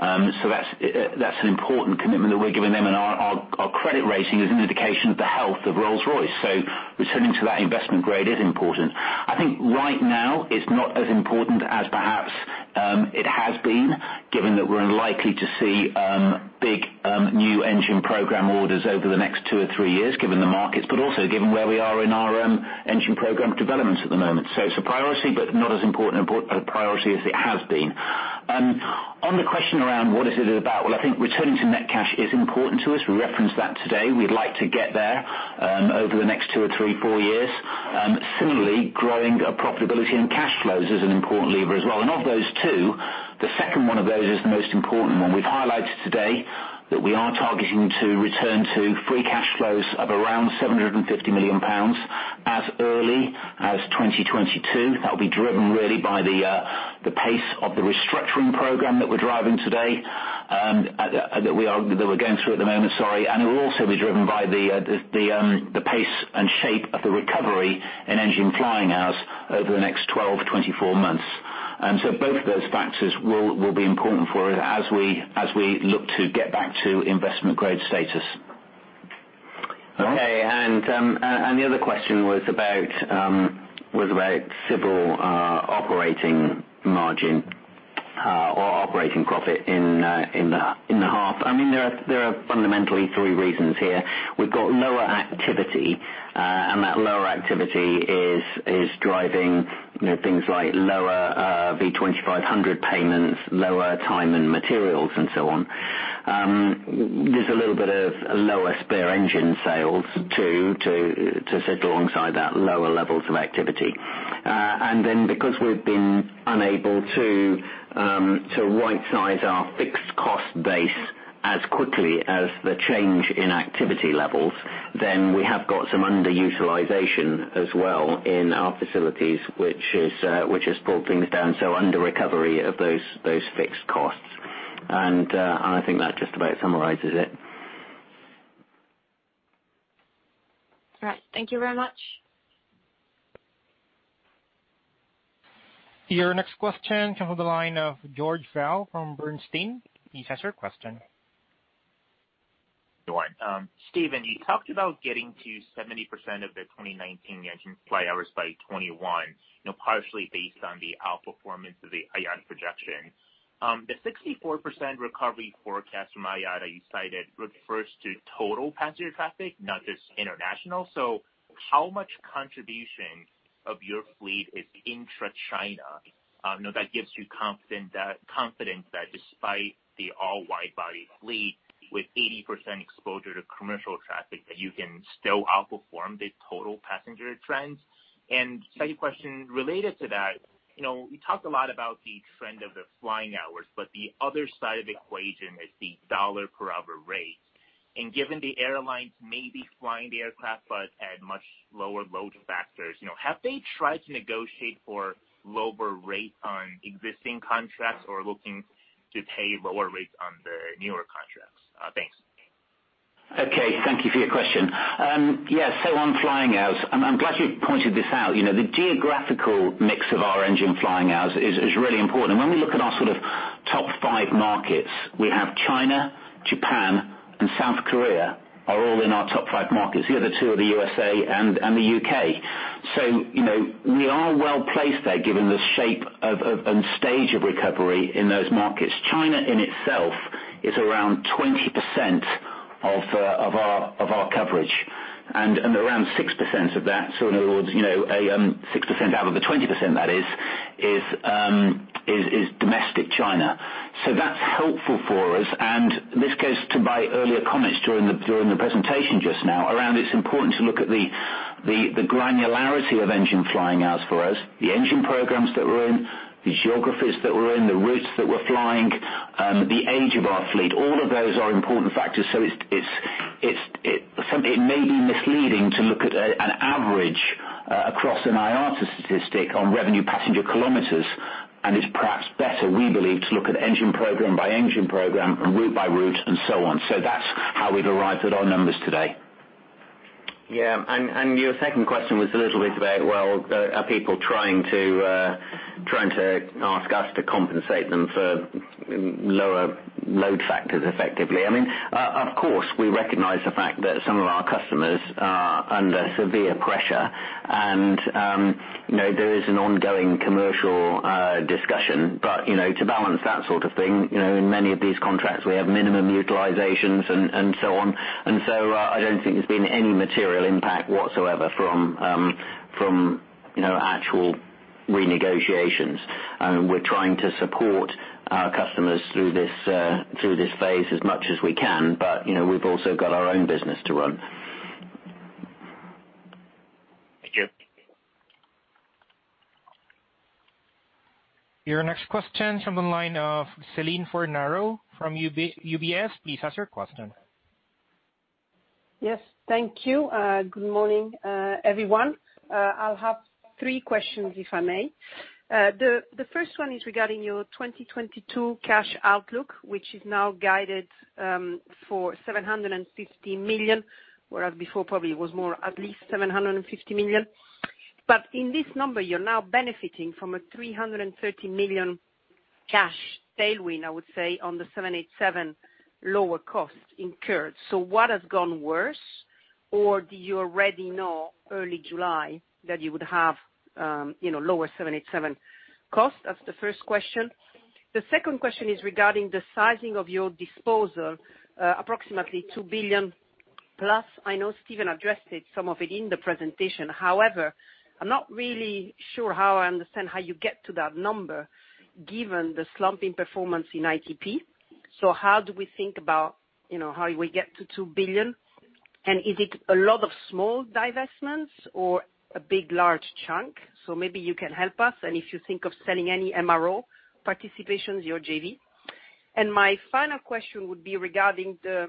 That's an important commitment that we're giving them. Our credit rating is an indication of the health of Rolls-Royce. Returning to that investment grade is important. I think right now it's not as important as perhaps it has been, given that we're unlikely to see big, new engine program orders over the next two or three years, given the markets, but also given where we are in our engine program developments at the moment. It's a priority, but not as important a priority as it has been. On the question around what is it about. Well, I think returning to net cash is important to us. We referenced that today. We'd like to get there over the next two or three, four years. Similarly, growing our profitability and cash flows is an important lever as well. Of those two, the second one of those is the most important one. We've highlighted today that we are targeting to return to free cash flows of around 750 million pounds as early as 2022. That'll be driven really by the pace of the restructuring program that we're driving today, that we're going through at the moment, sorry. It will also be driven by the pace and shape of the recovery in engine flying hours over the next 12-24 months. Both of those factors will be important for as we look to get back to investment grade status. The other question was about civil operating margin or operating profit in the half. There are fundamentally three reasons here. We've got lower activity, and that lower activity is driving things like lower V2500 payments, lower time and materials, and so on. There's a little bit of lower spare engine sales too, to sit alongside that lower levels of activity. Because we've been unable to right-size our fixed cost base as quickly as the change in activity levels, then we have got some underutilization as well in our facilities, which has pulled things down, so under recovery of those fixed costs. I think that just about summarizes it. All right. Thank you very much. Your next question comes from the line of George Vriel from Bernstein. Please ask your question. Good morning. Stephen, you talked about getting to 70% of the 2019 engine fly hours by 2021, partially based on the outperformance of the IATA projections. The 64% recovery forecast from IATA you cited refers to total passenger traffic, not just international. How much contribution of your fleet is intra China that gives you confidence that despite the all wide-body fleet with 80% exposure to commercial traffic, that you can still outperform the total passenger trends? Second question related to that, we talked a lot about the trend of the flying hours, but the other side of the equation is the dollar per hour rate. Given the airlines may be flying the aircraft but at much lower load factors, have they tried to negotiate for lower rates on existing contracts or looking to pay lower rates on the newer contracts? Thanks. Okay. Thank you for your question. Yeah. On flying hours, I'm glad you pointed this out. The geographical mix of our engine flying hours is really important. When we look at our top five markets, we have China, Japan, and South Korea are all in our top five markets. The other two are the U.S.A. and the U.K. We are well-placed there given the shape and stage of recovery in those markets. China in itself is around 20% of our coverage, and around 6% of that, so in other words, 6% out of the 20% that is domestic China. That's helpful for us, and this goes to my earlier comments during the presentation just now, around it's important to look at the granularity of engine flying hours for us, the engine programs that we're in, the geographies that we're in, the routes that we're flying, the age of our fleet. All of those are important factors. It may be misleading to look at an average across an IATA statistic on revenue passenger kilometers, and it's perhaps better, we believe, to look at engine program by engine program and route by route and so on. That's how we've arrived at our numbers today. Yeah. Your second question was a little bit about, well, are people trying to ask us to compensate them for lower load factors effectively? Of course, we recognize the fact that some of our customers are under severe pressure and there is an ongoing commercial discussion. To balance that sort of thing, in many of these contracts, we have minimum utilizations and so on. I don't think there's been any material impact whatsoever from actual renegotiations. We're trying to support our customers through this phase as much as we can, but we've also got our own business to run. Thank you. Your next question is from the line of Celine Fornaro from UBS. Please ask your question. Yes. Thank you. Good morning, everyone. I'll have three questions, if I may. The first one is regarding your 2022 cash outlook, which is now guided for 750 million, whereas before probably was more at least 750 million. In this number, you're now benefiting from a 330 million cash tailwind, I would say, on the 787 lower cost incurred. What has gone worse? Do you already know early July that you would have lower 787 cost? That's the first question. The second question is regarding the sizing of your disposal, approximately 2 billion plus. I know Stephen addressed it, some of it in the presentation. However, I'm not really sure how I understand how you get to that number given the slumping performance in ITP. How do we think about how we get to 2 billion, and is it a lot of small divestments or a big, large chunk? Maybe you can help us, and if you think of selling any MRO participations, your JV. My final question would be regarding the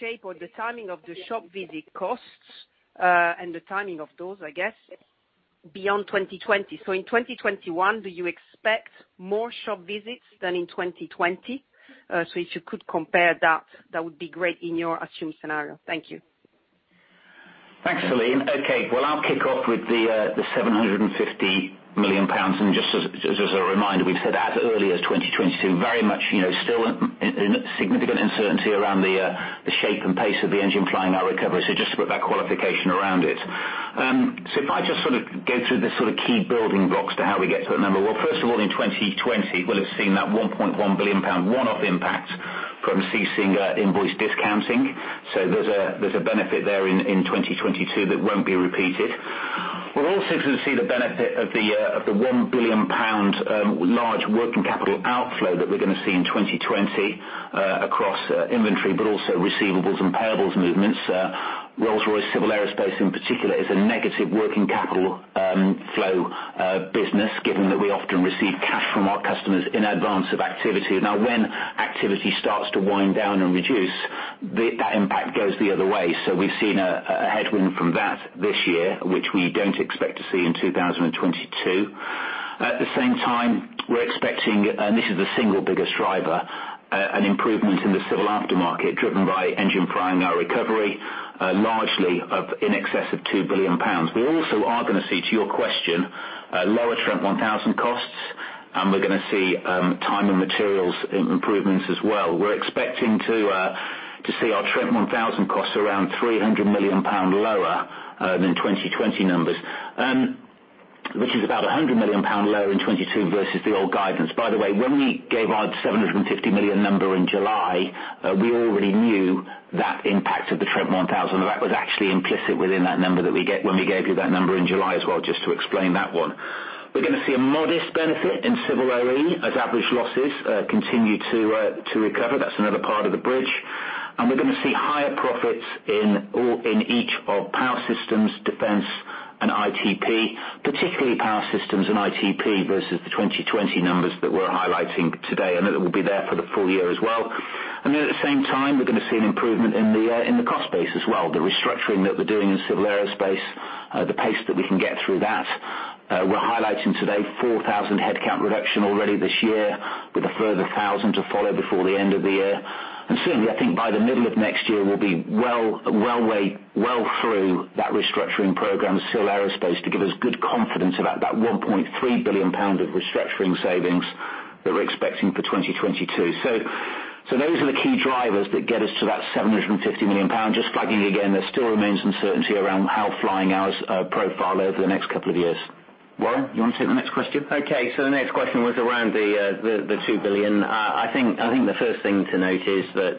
shape or the timing of the shop visit costs, and the timing of those, I guess, beyond 2020. In 2021, do you expect more shop visits than in 2020? If you could compare that would be great in your assumed scenario. Thank you. Thanks, Celine. Okay, well, I'll kick off with the 750 million pounds. Just as a reminder, we've said as early as 2022. Very much still in significant uncertainty around the shape and pace of the engine flying our recovery. Just to put that qualification around it. If I just go through the sort of key building blocks to how we get to that number. Well, first of all, in 2020, we'll have seen that 1.1 billion pound one-off impact from ceasing invoice discounting. There's a benefit there in 2022 that won't be repeated. We'll also sort of see the benefit of the 1 billion pound large working capital outflow that we're going to see in 2020, across inventory, but also receivables and payables movements. Rolls-Royce Civil Aerospace, in particular, is a negative working capital flow business, given that we often receive cash from our customers in advance of activity. When activity starts to wind down and reduce, that impact goes the other way. We've seen a headwind from that this year, which we don't expect to see in 2022. At the same time, we're expecting, and this is the single biggest driver, an improvement in the civil aftermarket, driven by engine pricing recovery, largely in excess of 2 billion pounds. We also are going to see, to your question, lower Trent 1000 costs, and we're going to see time and materials improvements as well. We're expecting to see our Trent 1000 costs around 300 million pound lower than 2020 numbers, which is about 100 million pound lower in 2022 versus the old guidance. By the way, when we gave our 750 million number in July, we already knew that impact of the Trent 1000. That was actually implicit within that number that we get, when we gave you that number in July as well, just to explain that one. We're going to see a modest benefit in Civil OE as average losses continue to recover. That's another part of the bridge. We're going to see higher profits in each of Power Systems, Defence, and ITP, particularly Power Systems and ITP versus the 2020 numbers that we're highlighting today, and that will be there for the full year as well. At the same time, we're going to see an improvement in the cost base as well. The restructuring that we're doing in Civil Aerospace, the pace that we can get through that. We're highlighting today 4,000 headcount reduction already this year, with a further 1,000 to follow before the end of the year. Certainly, I think by the middle of next year, we'll be well through that restructuring program, Civil Aerospace, to give us good confidence about that 1.3 billion pound of restructuring savings that we're expecting for 2022. Those are the key drivers that get us to that 750 million pound. Flagging again, there still remains uncertainty around how flying hours profile over the next couple of years. Warren, you want to take the next question? Okay. The next question was around the 2 billion. I think the first thing to note is that,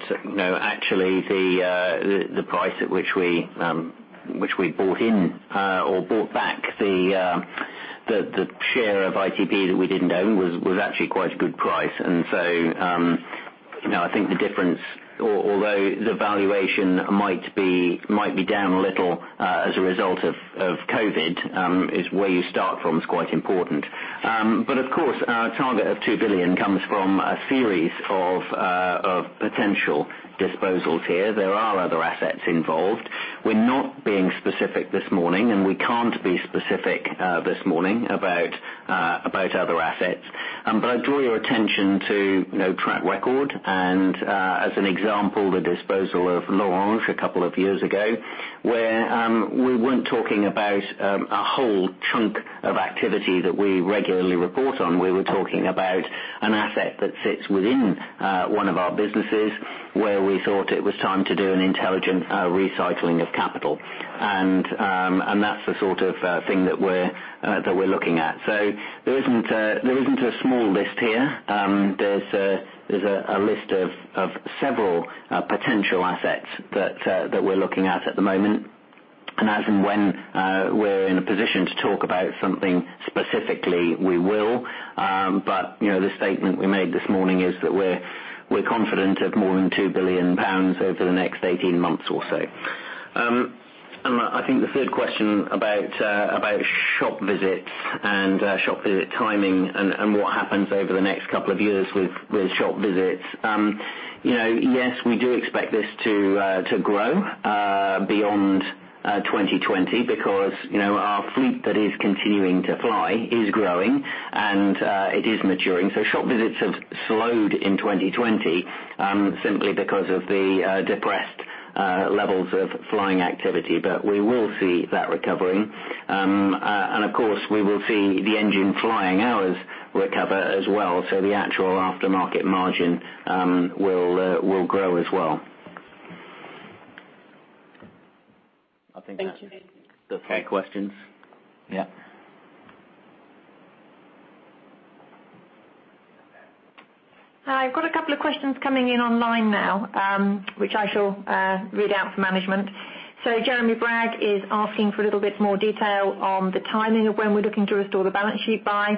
actually the price at which we bought in or bought back the share of ITP that we didn't own was actually quite a good price. I think the difference, although the valuation might be down a little, as a result of COVID, is where you start from is quite important. Of course, our target of 2 billion comes from a series of potential disposals here. There are other assets involved. We're not being specific this morning, and we can't be specific this morning about other assets. I draw your attention to no track record, and, as an example, the disposal of L'Orange a couple of years ago, where we weren't talking about a whole chunk of activity that we regularly report on. We were talking about an asset that sits within one of our businesses, where we thought it was time to do an intelligent recycling of capital. That's the sort of thing that we're looking at. There isn't a small list here. There's a list of several potential assets that we're looking at at the moment. As and when we're in a position to talk about something specifically, we will. The statement we made this morning is that we're confident of more than 2 billion pounds over the next 18 months or so. I think the third question about shop visits and shop visit timing and what happens over the next couple of years with shop visits. Yes, we do expect this to grow beyond 2020 because our fleet that is continuing to fly is growing and it is maturing. Shop visits have slowed in 2020, simply because of the depressed levels of flying activity. We will see that recovering. Of course, we will see the engine flying hours recover as well. The actual aftermarket margin will grow as well. I think that's the three questions. Yeah. I've got a couple of questions coming in online now, which I shall read out for management. Jeremy Bragg is asking for a little bit more detail on the timing of when we're looking to restore the balance sheet by,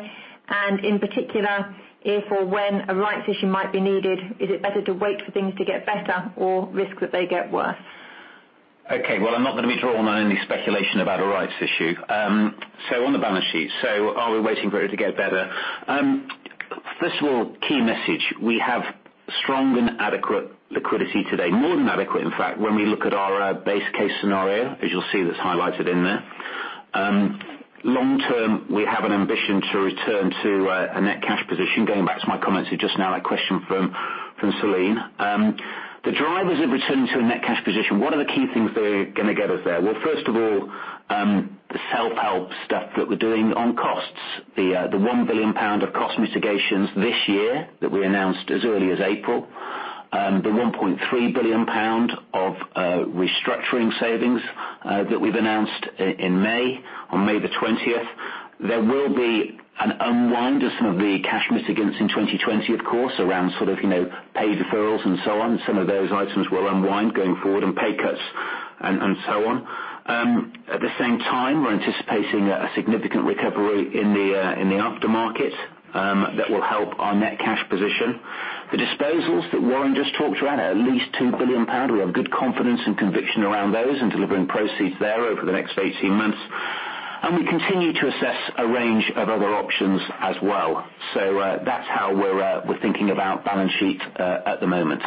and in particular, if or when a rights issue might be needed. Is it better to wait for things to get better or risk that they get worse? Okay, well, I'm not going to be drawn on any speculation about a rights issue. On the balance sheet, are we waiting for it to get better? First of all, key message. We have strong and adequate liquidity today, more than adequate, in fact, when we look at our base case scenario, as you'll see that's highlighted in there. Long term, we have an ambition to return to a net cash position, going back to my comments just now, that question from Celine. The drivers of returning to a net cash position, what are the key things that are going to get us there? Well, first of all, the self-help stuff that we're doing on costs, the 1 billion pound of cost mitigations this year that we announced as early as April, the 1.3 billion pound of restructuring savings that we've announced in May, on May 20th. There will be an unwind of some of the cash mitigants in 2020, of course, around pay deferrals and so on. Some of those items will unwind going forward, pay cuts, and so on. At the same time, we're anticipating a significant recovery in the aftermarket that will help our net cash position. The disposals that Warren just talked about, at least 2 billion pounds. We have good confidence and conviction around those and delivering proceeds there over the next 18 months. We continue to assess a range of other options as well. That's how we're thinking about balance sheet at the moment.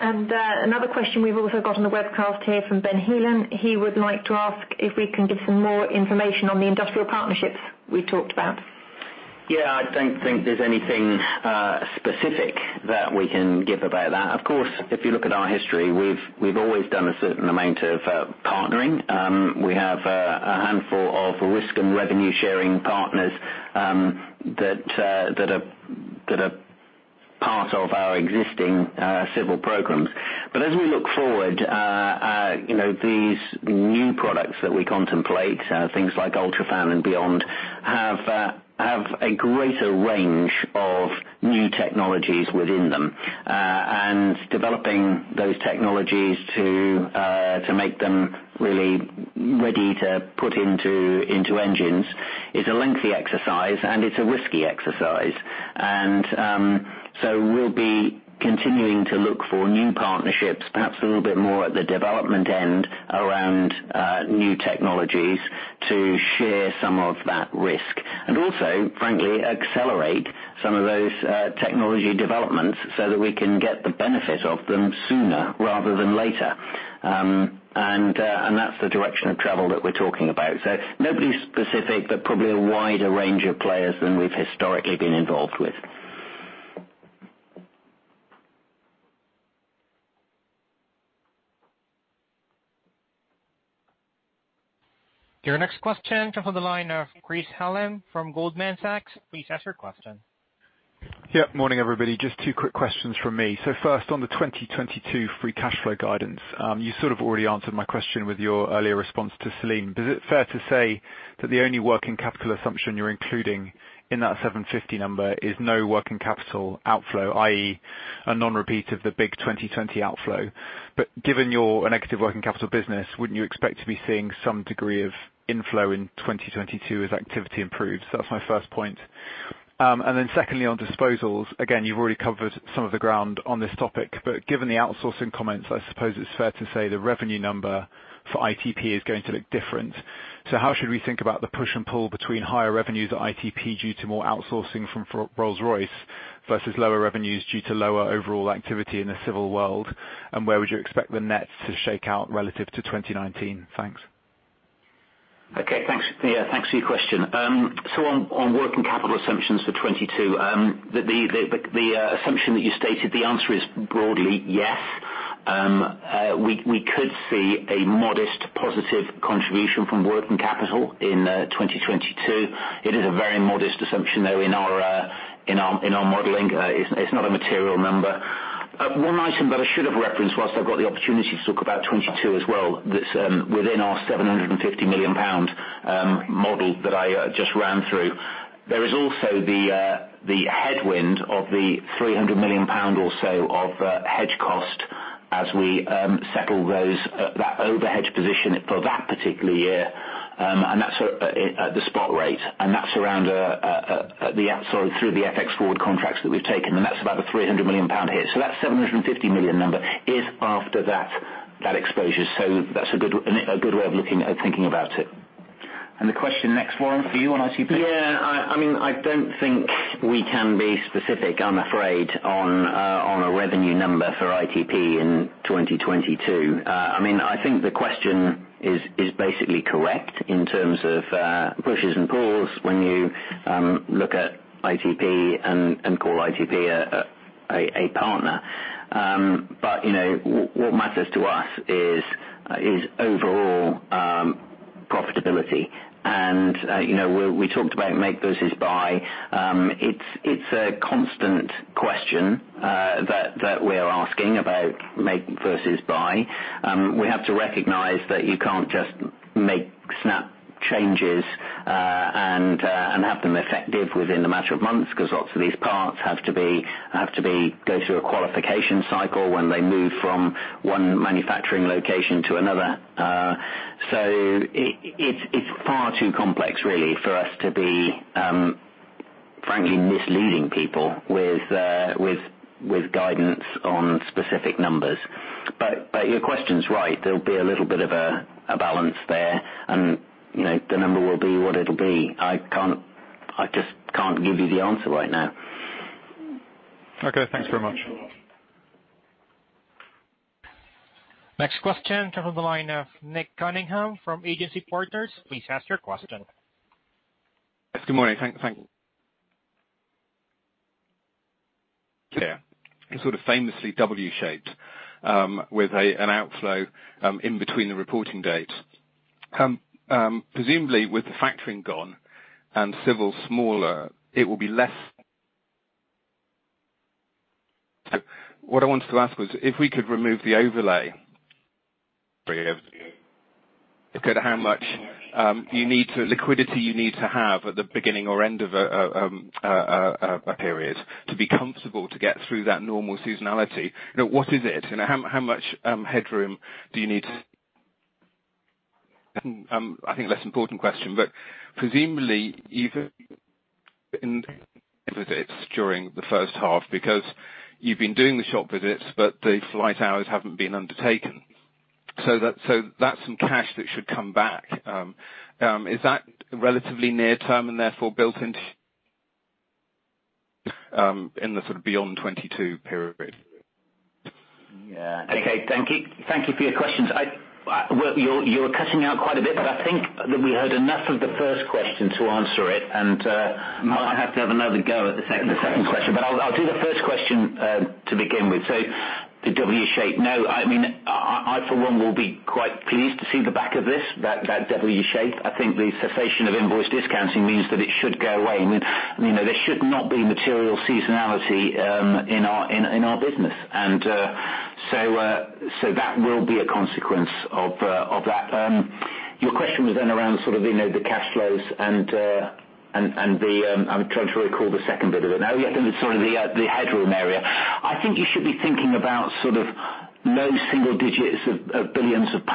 Another question we've also got on the webcast here from Benjamin Heelan. He would like to ask if we can give some more information on the industrial partnerships we talked about. Yeah, I don't think there's anything specific that we can give about that. Of course, if you look at our history, we've always done a certain amount of partnering. We have a handful of risk and revenue-sharing partners that are part of our existing civil programs. As we look forward, these new products that we contemplate, things like UltraFan and beyond, have a greater range of new technologies within them. Developing those technologies to make them really ready to put into engines is a lengthy exercise, and it's a risky exercise. We'll be continuing to look for new partnerships, perhaps a little bit more at the development end around new technologies to share some of that risk. Also, frankly, accelerate some of those technology developments so that we can get the benefit of them sooner rather than later. That's the direction of travel that we're talking about. Nobody specific, but probably a wider range of players than we've historically been involved with. Your next question comes on the line of Chris Hallam from Goldman Sachs. Please ask your question. Yeah, morning, everybody. Just two quick questions from me. First, on the 2022 free cash flow guidance. You sort of already answered my question with your earlier response to Celine. Is it fair to say that the only working capital assumption you're including in that 750 number is no working capital outflow, i.e., a non-repeat of the big 2020 outflow? Given you're a negative working capital business, wouldn't you expect to be seeing some degree of inflow in 2022 as activity improves? That's my first point. Secondly, on disposals, again, you've already covered some of the ground on this topic, but given the outsourcing comments, I suppose it's fair to say the revenue number for ITP is going to look different. How should we think about the push and pull between higher revenues at ITP due to more outsourcing from Rolls-Royce, versus lower revenues due to lower overall activity in the civil world? Where would you expect the net to shake out relative to 2019? Thanks. Okay, thanks. Thanks for your question. On working capital assumptions for 2022, the assumption that you stated, the answer is broadly yes. We could see a modest positive contribution from working capital in 2022. It is a very modest assumption, though, in our modeling. It's not a material number. One item that I should have referenced, whilst I've got the opportunity to talk about 2022 as well, that's within our 750 million pound model that I just ran through. There is also the headwind of the 300 million pound or so of hedge cost as we settle that over hedge position for that particular year. That's at the spot rate. That's through the FX forward contracts that we've taken, and that's about the 300 million pound hit. That 750 million number is after that exposure. That's a good way of thinking about it. The question next, Warren, for you on ITP? I don't think we can be specific, I'm afraid, on a revenue number for ITP in 2022. I think the question is basically correct in terms of pushes and pulls when you look at ITP and call ITP a partner. What matters to us is overall profitability. We talked about make versus buy. It's a constant question that we're asking about make versus buy. We have to recognize that you can't just make snap changes and have them effective within a matter of months, because lots of these parts have to go through a qualification cycle when they move from one manufacturing location to another. It's far too complex, really, for us to be, frankly, misleading people with guidance on specific numbers. Your question's right. There'll be a little bit of a balance there. The number will be what it'll be. I just can't give you the answer right now. Okay. Thanks very much. Next question comes on the line of Nick Cunningham from Agency Partners. Please ask your question. Good morning. Thank you. Yeah. It is sort of famously W-shaped with an outflow in between the reporting date. Presumably with the factoring gone and Civil Aerospace smaller, it will be less. What I wanted to ask was if we could remove the overlay how much liquidity you need to have at the beginning or end of a period to be comfortable to get through that normal seasonality. What is it? How much headroom do you need? I think a less important question, but presumably during the first half, because you have been doing the shop visits, but the flight hours have not been undertaken. That is some cash that should come back. Is that relatively near-term and therefore built into in the sort of beyond 2022 period? Yeah. Okay, thank you for your questions. You were cutting out quite a bit, but I think that we heard enough of the first question to answer it and might have to have another go at the second question. I'll do the first question to begin with. The W shape. No, I, for one, will be quite pleased to see the back of this, that W shape. I think the cessation of invoice discounting means that it should go away. There should not be material seasonality in our business. That will be a consequence of that. Your question was then around the cash flows and, I'm trying to recall the second bit of it now. Yeah, I think the sort of the headroom area. I think you should be thinking about low single digits of billions of GBP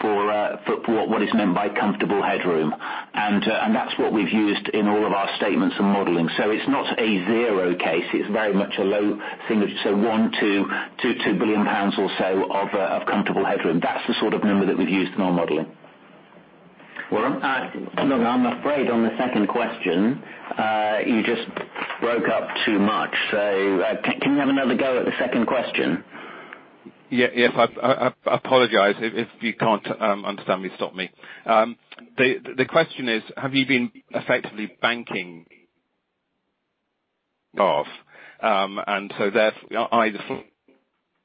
for what is meant by comfortable headroom. That's what we've used in all of our statements and modeling. It's not a zero case, it's very much a low single. 1 billion-2 billion pounds or so of comfortable headroom. That's the sort of number that we've used in our modeling. All right. Look, I'm afraid on the second question, you just broke up too much. Can you have another go at the second question? Yeah. I apologize. If you can't understand me, stop me. The question is, have you been effectively banking off, and so therefore, either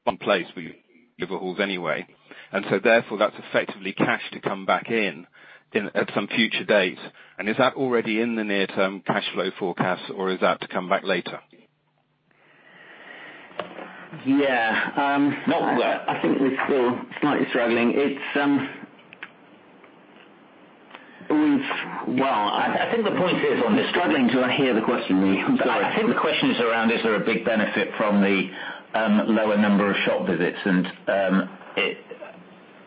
one place where you anyway, and so therefore that's effectively cash to come back in at some future date. Is that already in the near term cash flow forecast or is that to come back later? Yeah. Not there. I think we're still slightly struggling. Well, I think the point is on this. We're struggling to hear the question, really. I'm sorry. I think the question is around, is there a big benefit from the lower number of shop visits, and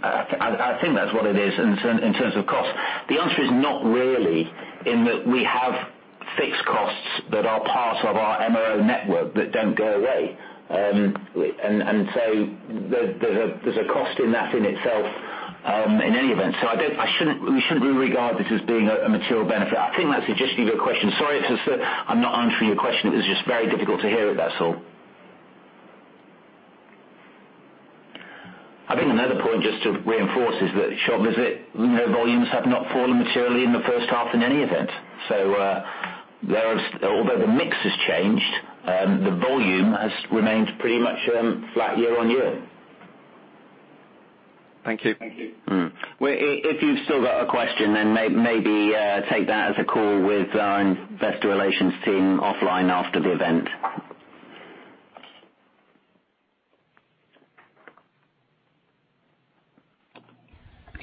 I think that's what it is in terms of cost. The answer is not really, in that we have fixed costs that are part of our MRO network that don't go away. There's a cost in that in itself, in any event. We shouldn't regard this as being a material benefit. I think that's the gist of your question. Sorry, it's just that I'm not answering your question. It was just very difficult to hear it, that's all. I think another point just to reinforce is that shop visit volumes have not fallen materially in the first half in any event. Although the mix has changed, the volume has remained pretty much flat year-on-year. Thank you. Well, if you've still got a question, maybe take that as a call with our investor relations team offline after the event.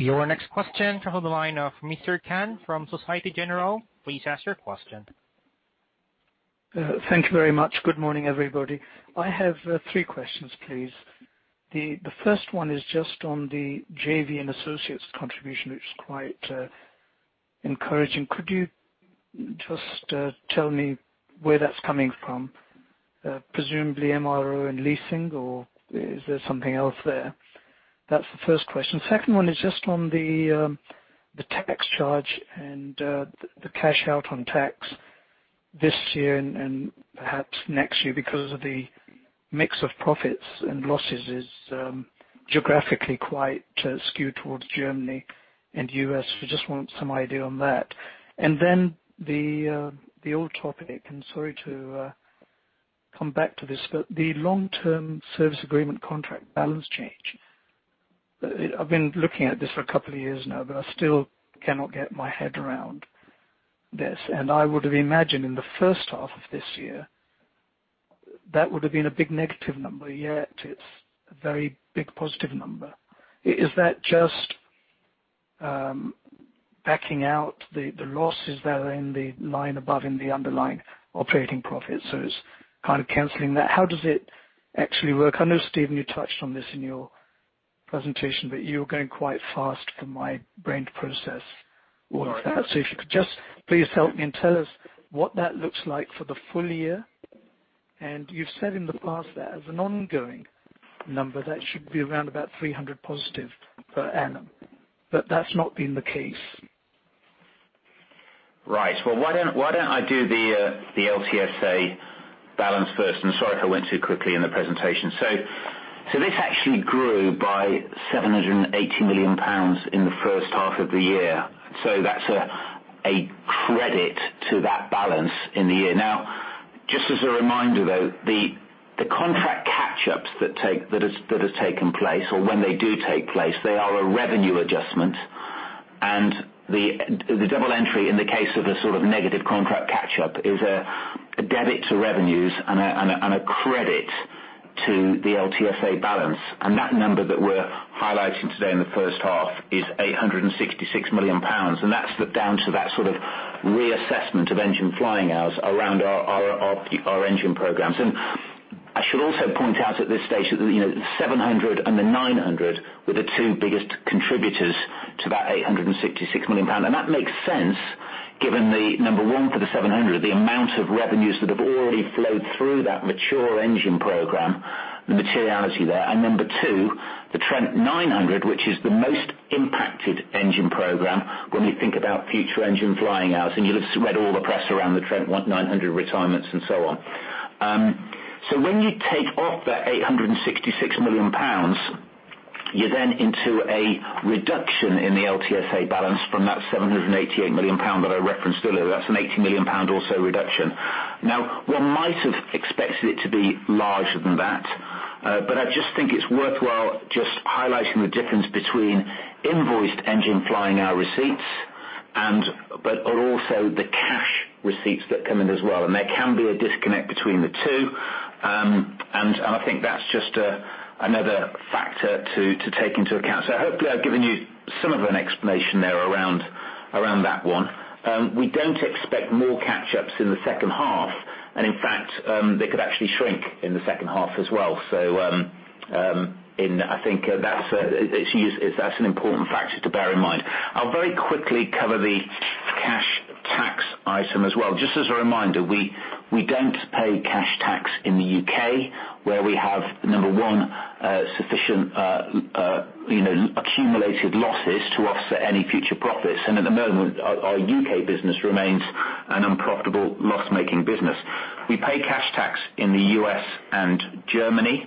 Your next question comes on the line of Mr. Khan from Societe Generale. Please ask your question. Thank you very much. Good morning, everybody. I have three questions, please. The first one is just on the JV and associates contribution, which is quite encouraging. Could you just tell me where that's coming from? Presumably MRO and leasing, or is there something else there? That's the first question. Second one is just on the tax charge and the cash out on tax this year and perhaps next year because of the mix of profits and losses is geographically quite skewed towards Germany and U.S. Just want some idea on that. The old topic, I'm sorry to come back to this, but the long-term service agreement contract balance change. I've been looking at this for a couple of years now, but I still cannot get my head around this. I would have imagined in the first half of this year, that would have been a big negative number, yet it's a very big positive number. Is that just backing out the losses that are in the line above in the underlying operating profit? It's kind of canceling that. How does it actually work? I know, Stephen, you touched on this in your presentation, but you were going quite fast for my brain to process all of that. All right. If you could just please help me and tell us what that looks like for the full year. You've said in the past that as an ongoing number, that should be around about 300 positive per annum. That's not been the case. Right. Well, why don't I do the LTSA balance first? Sorry if I went too quickly in the presentation. This actually grew by 780 million pounds in the first half of the year. That's a credit to that balance in the year. Now, just as a reminder, though, the contract catch-ups that have taken place, or when they do take place, they are a revenue adjustment. The double entry in the case of a sort of negative contract catch-up is a debit to revenues and a credit to the LTSA balance. That number that we're highlighting today in the first half is 866 million pounds. That's down to that sort of reassessment of engine flying hours around our engine programs. I should also point out at this stage that the 700 and the 900 were the two biggest contributors to that 866 million pound. That makes sense given the, number 1, for the Trent 700, the amount of revenues that have already flowed through that mature engine program, the materiality there. Number 2, the Trent 900, which is the most impacted engine program when we think about future engine flying hours, and you'll have read all the press around the Trent 900 retirements and so on. When you take off that 866 million pounds, you're then into a reduction in the LTSA balance from that 788 million pound that I referenced earlier. That's an 80 million pound also reduction. One might have expected it to be larger than that. I just think it's worthwhile just highlighting the difference between invoiced engine flying hour receipts, but also the cash receipts that come in as well. There can be a disconnect between the two. I think that's just another factor to take into account. Hopefully I've given you some of an explanation there around that one. We don't expect more catch-ups in the second half. In fact, they could actually shrink in the second half as well. I think that's an important factor to bear in mind. I'll very quickly cover the cash tax item as well. Just as a reminder, we don't pay cash tax in the U.K. where we have, number one, sufficient accumulated losses to offset any future profits. At the moment, our U.K. business remains an unprofitable loss-making business. We pay cash tax in the U.S. and Germany.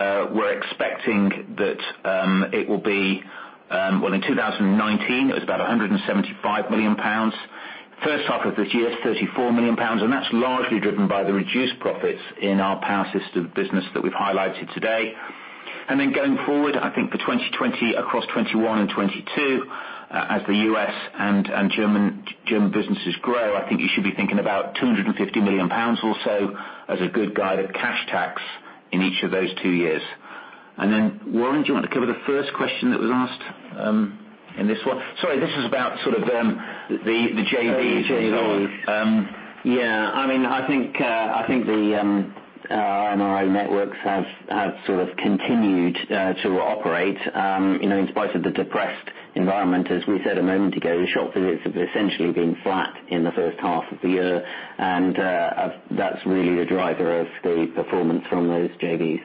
We're expecting that, well, in 2019, it was about 175 million pounds. First half of this year, 34 million pounds, that's largely driven by the reduced profits in our Power Systems business that we've highlighted today. Going forward, I think for 2020 across 2021 and 2022, as the U.S. and German businesses grow, I think you should be thinking about 250 million pounds or so as a good guide of cash tax in each of those two years. Warren, do you want to cover the first question that was asked in this one? Sorry, this is about sort of the JVs. The JVs. Go on. I think the MRO networks have sort of continued to operate in spite of the depressed environment. As we said a moment ago, the shop visits have essentially been flat in the first half of the year. That's really the driver of the performance from those JVs.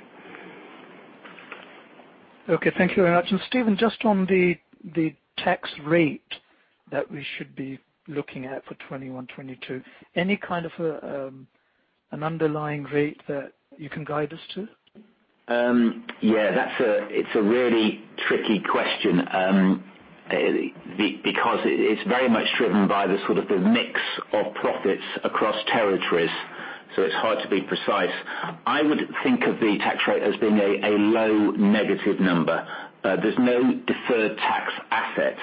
Okay, thank you very much. Stephen, just on the tax rate that we should be looking at for 2021, 2022. Any kind of an underlying rate that you can guide us to? Yeah. It's a really tricky question. It's very much driven by the sort of the mix of profits across territories. It's hard to be precise. I would think of the tax rate as being a low negative number. There's no deferred tax asset,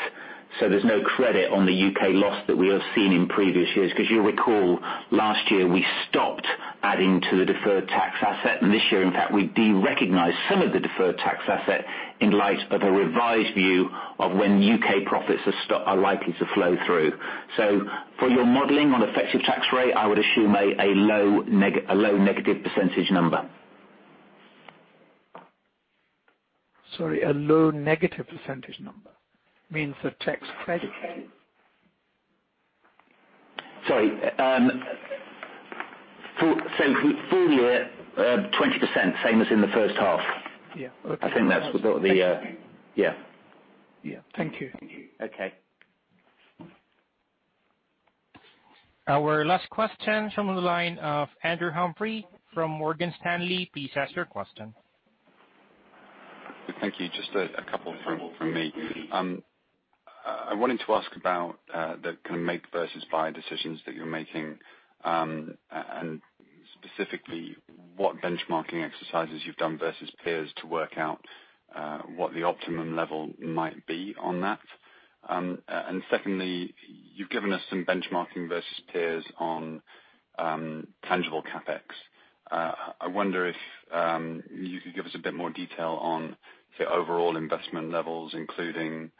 so there's no credit on the U.K. loss that we have seen in previous years. You'll recall last year we stopped adding to the deferred tax asset. This year, in fact, we de-recognized some of the deferred tax asset in light of a revised view of when U.K. profits are likely to flow through. For your modeling on effective tax rate, I would assume a low negative percentage number. Sorry, a low negative % number means a tax credit? Sorry. Full-year, 20%, same as in the first half. Yeah. Okay. I think that's sort of the Yeah. Yeah. Thank you. Okay. Our last question from the line of Andrew Humphrey from Morgan Stanley. Please ask your question. Thank you. Just a couple from me. I wanted to ask about the kind of make versus buy decisions that you're making, and specifically, what benchmarking exercises you've done versus peers to work out what the optimum level might be on that. Secondly, you've given us some benchmarking versus peers on tangible CapEx. I wonder if you could give us a bit more detail on the overall investment levels, including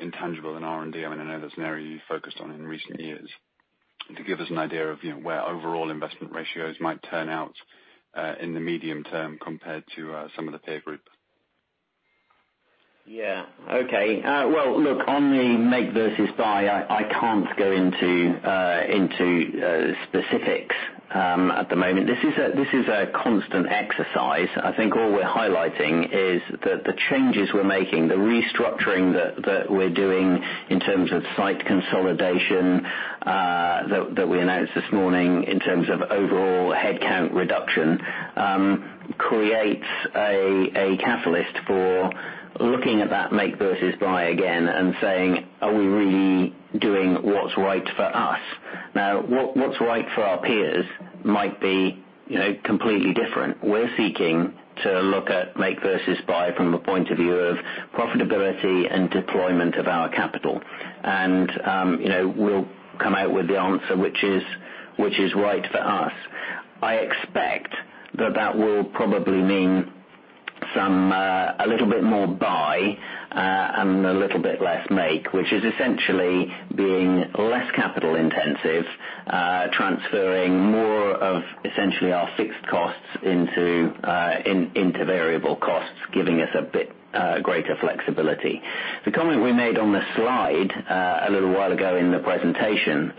intangible and R&D. I know that's an area you focused on in recent years. To give us an idea of where overall investment ratios might turn out in the medium term compared to some of the peer group. Yeah. Okay. Well, look, on the make versus buy, I can't go into specifics at the moment. This is a constant exercise. I think all we're highlighting is that the changes we're making restructuring that we're doing in terms of site consolidation, that we announced this morning in terms of overall headcount reduction, creates a catalyst for looking at that make versus buy again and saying, "Are we really doing what's right for us?" What's right for our peers might be completely different. We're seeking to look at make versus buy from a point of view of profitability and deployment of our capital. We'll come out with the answer, which is right for us. I expect that will probably mean a little bit more buy, and a little bit less make, which is essentially being less capital intensive. Transferring more of essentially our fixed costs into variable costs, giving us a bit greater flexibility. The comment we made on the slide a little while ago in the presentation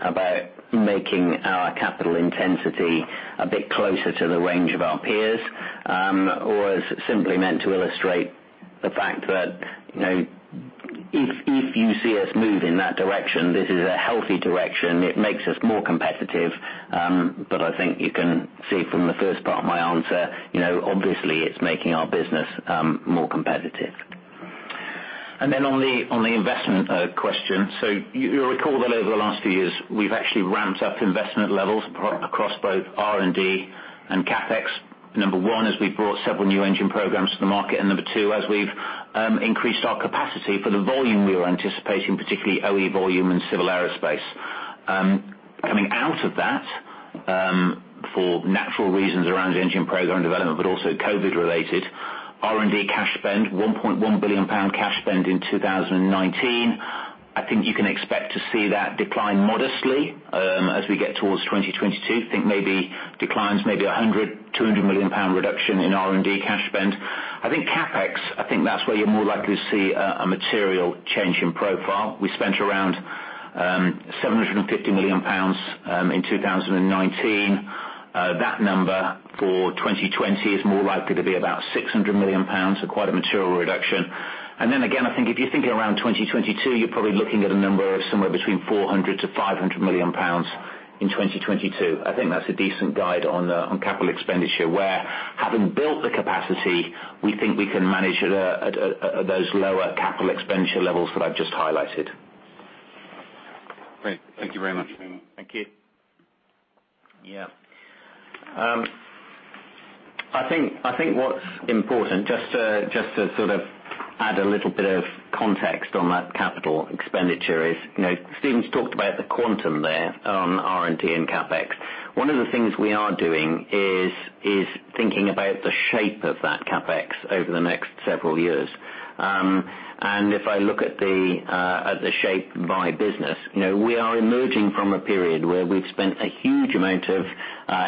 about making our capital intensity a bit closer to the range of our peers, was simply meant to illustrate the fact that, if you see us move in that direction, this is a healthy direction. It makes us more competitive. I think you can see from the first part of my answer, obviously it's making our business more competitive. On the investment question. You'll recall that over the last few years, we've actually ramped up investment levels across both R&D and CapEx. Number one, as we've brought several new engine programs to the market, and number two, as we've increased our capacity for the volume we were anticipating, particularly OE volume and Civil Aerospace. Coming out of that, for natural reasons around the engine program development, but also COVID related, R&D cash spend 1.1 billion pound cash spend in 2019. I think you can expect to see that decline modestly, as we get towards 2022. Think maybe declines may be 100 million-200 million pound reduction in R&D cash spend. I think CapEx, I think that's where you're more likely to see a material change in profile. We spent around 750 million pounds in 2019. That number for 2020 is more likely to be about 600 million pounds, so quite a material reduction. Again, I think if you're thinking around 2022, you're probably looking at a number of somewhere between 400 million-500 million pounds in 2022. I think that's a decent guide on capital expenditure, where having built the capacity, we think we can manage at those lower capital expenditure levels that I've just highlighted. Great. Thank you very much. Thank you. Yeah. I think what's important, just to sort of add a little bit of context on that capital expenditure is, Stephen's talked about the quantum there on R&D and CapEx. One of the things we are doing is thinking about the shape of that CapEx over the next several years. If I look at the shape by business, we are emerging from a period where we've spent a huge amount of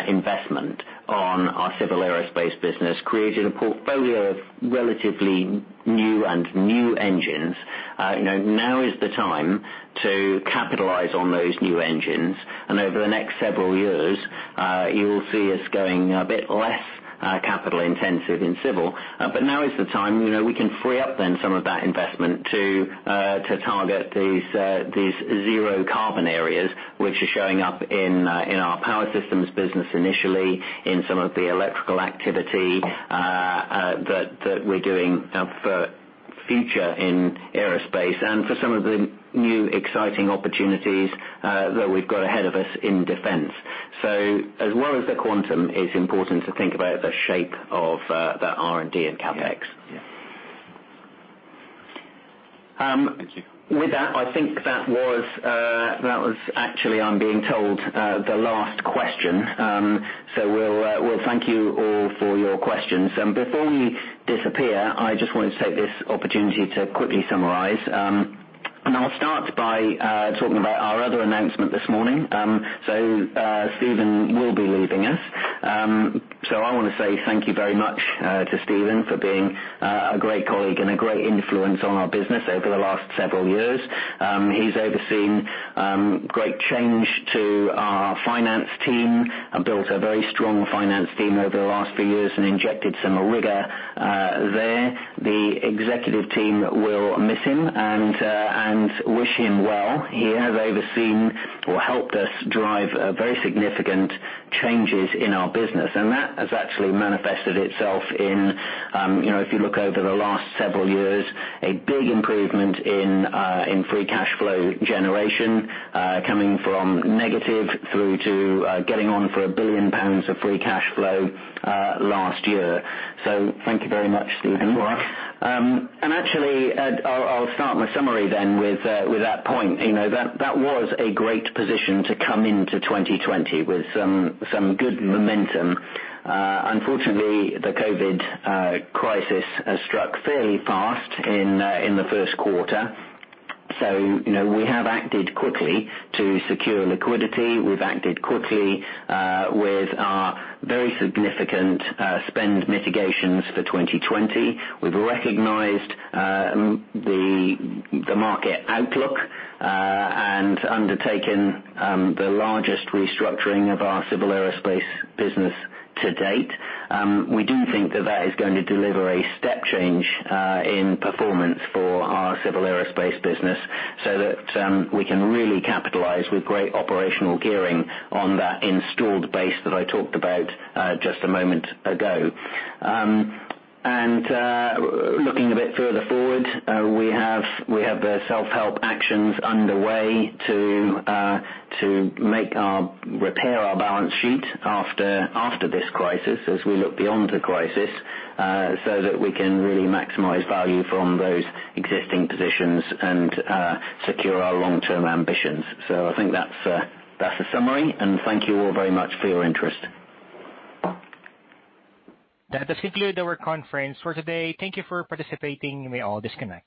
investment on our Civil Aerospace business, creating a portfolio of relatively new and new engines. Now is the time to capitalize on those new engines, and over the next several years, you will see us going a bit less capital intensive in civil. Now is the time, we can free up then some of that investment to target these zero carbon areas, which are showing up in our Power Systems business initially, in some of the electrical activity that we're doing for future in aerospace, and for some of the new exciting opportunities that we've got ahead of us in Defence. As well as the quantum, it's important to think about the shape of the R&D and CapEx. Yeah. Thank you. With that, I think that was actually, I'm being told, the last question. We'll thank you all for your questions. Before we disappear, I just wanted to take this opportunity to quickly summarize. I'll start by talking about our other announcement this morning. Stephen will be leaving us. I want to say thank you very much to Stephen for being a great colleague and a great influence on our business over the last several years. He's overseen great change to our finance team and built a very strong finance team over the last few years and injected some rigor there. The executive team will miss him and wish him well. He has overseen or helped us drive very significant changes in our business. That has actually manifested itself in, if you look over the last several years, a big improvement in free cash flow generation, coming from negative through to getting on for 1 billion pounds of free cash flow, last year. Thank you very much, Stephen. Thank you. Actually, I'll start my summary then with that point. That was a great position to come into 2020 with some good momentum. Unfortunately, the COVID crisis has struck fairly fast in the first quarter. We have acted quickly to secure liquidity. We've acted quickly with our very significant spend mitigations for 2020. We've recognized the market outlook and undertaken the largest restructuring of our Civil Aerospace business to date. We do think that that is going to deliver a step change in performance for our Civil Aerospace business so that we can really capitalize with great operational gearing on that installed base that I talked about just a moment ago. Looking a bit further forward, we have the self-help actions underway to repair our balance sheet after this crisis as we look beyond the crisis, so that we can really maximize value from those existing positions and secure our long-term ambitions. I think that's the summary, and thank you all very much for your interest. That does conclude our conference for today. Thank you for participating. You may all disconnect.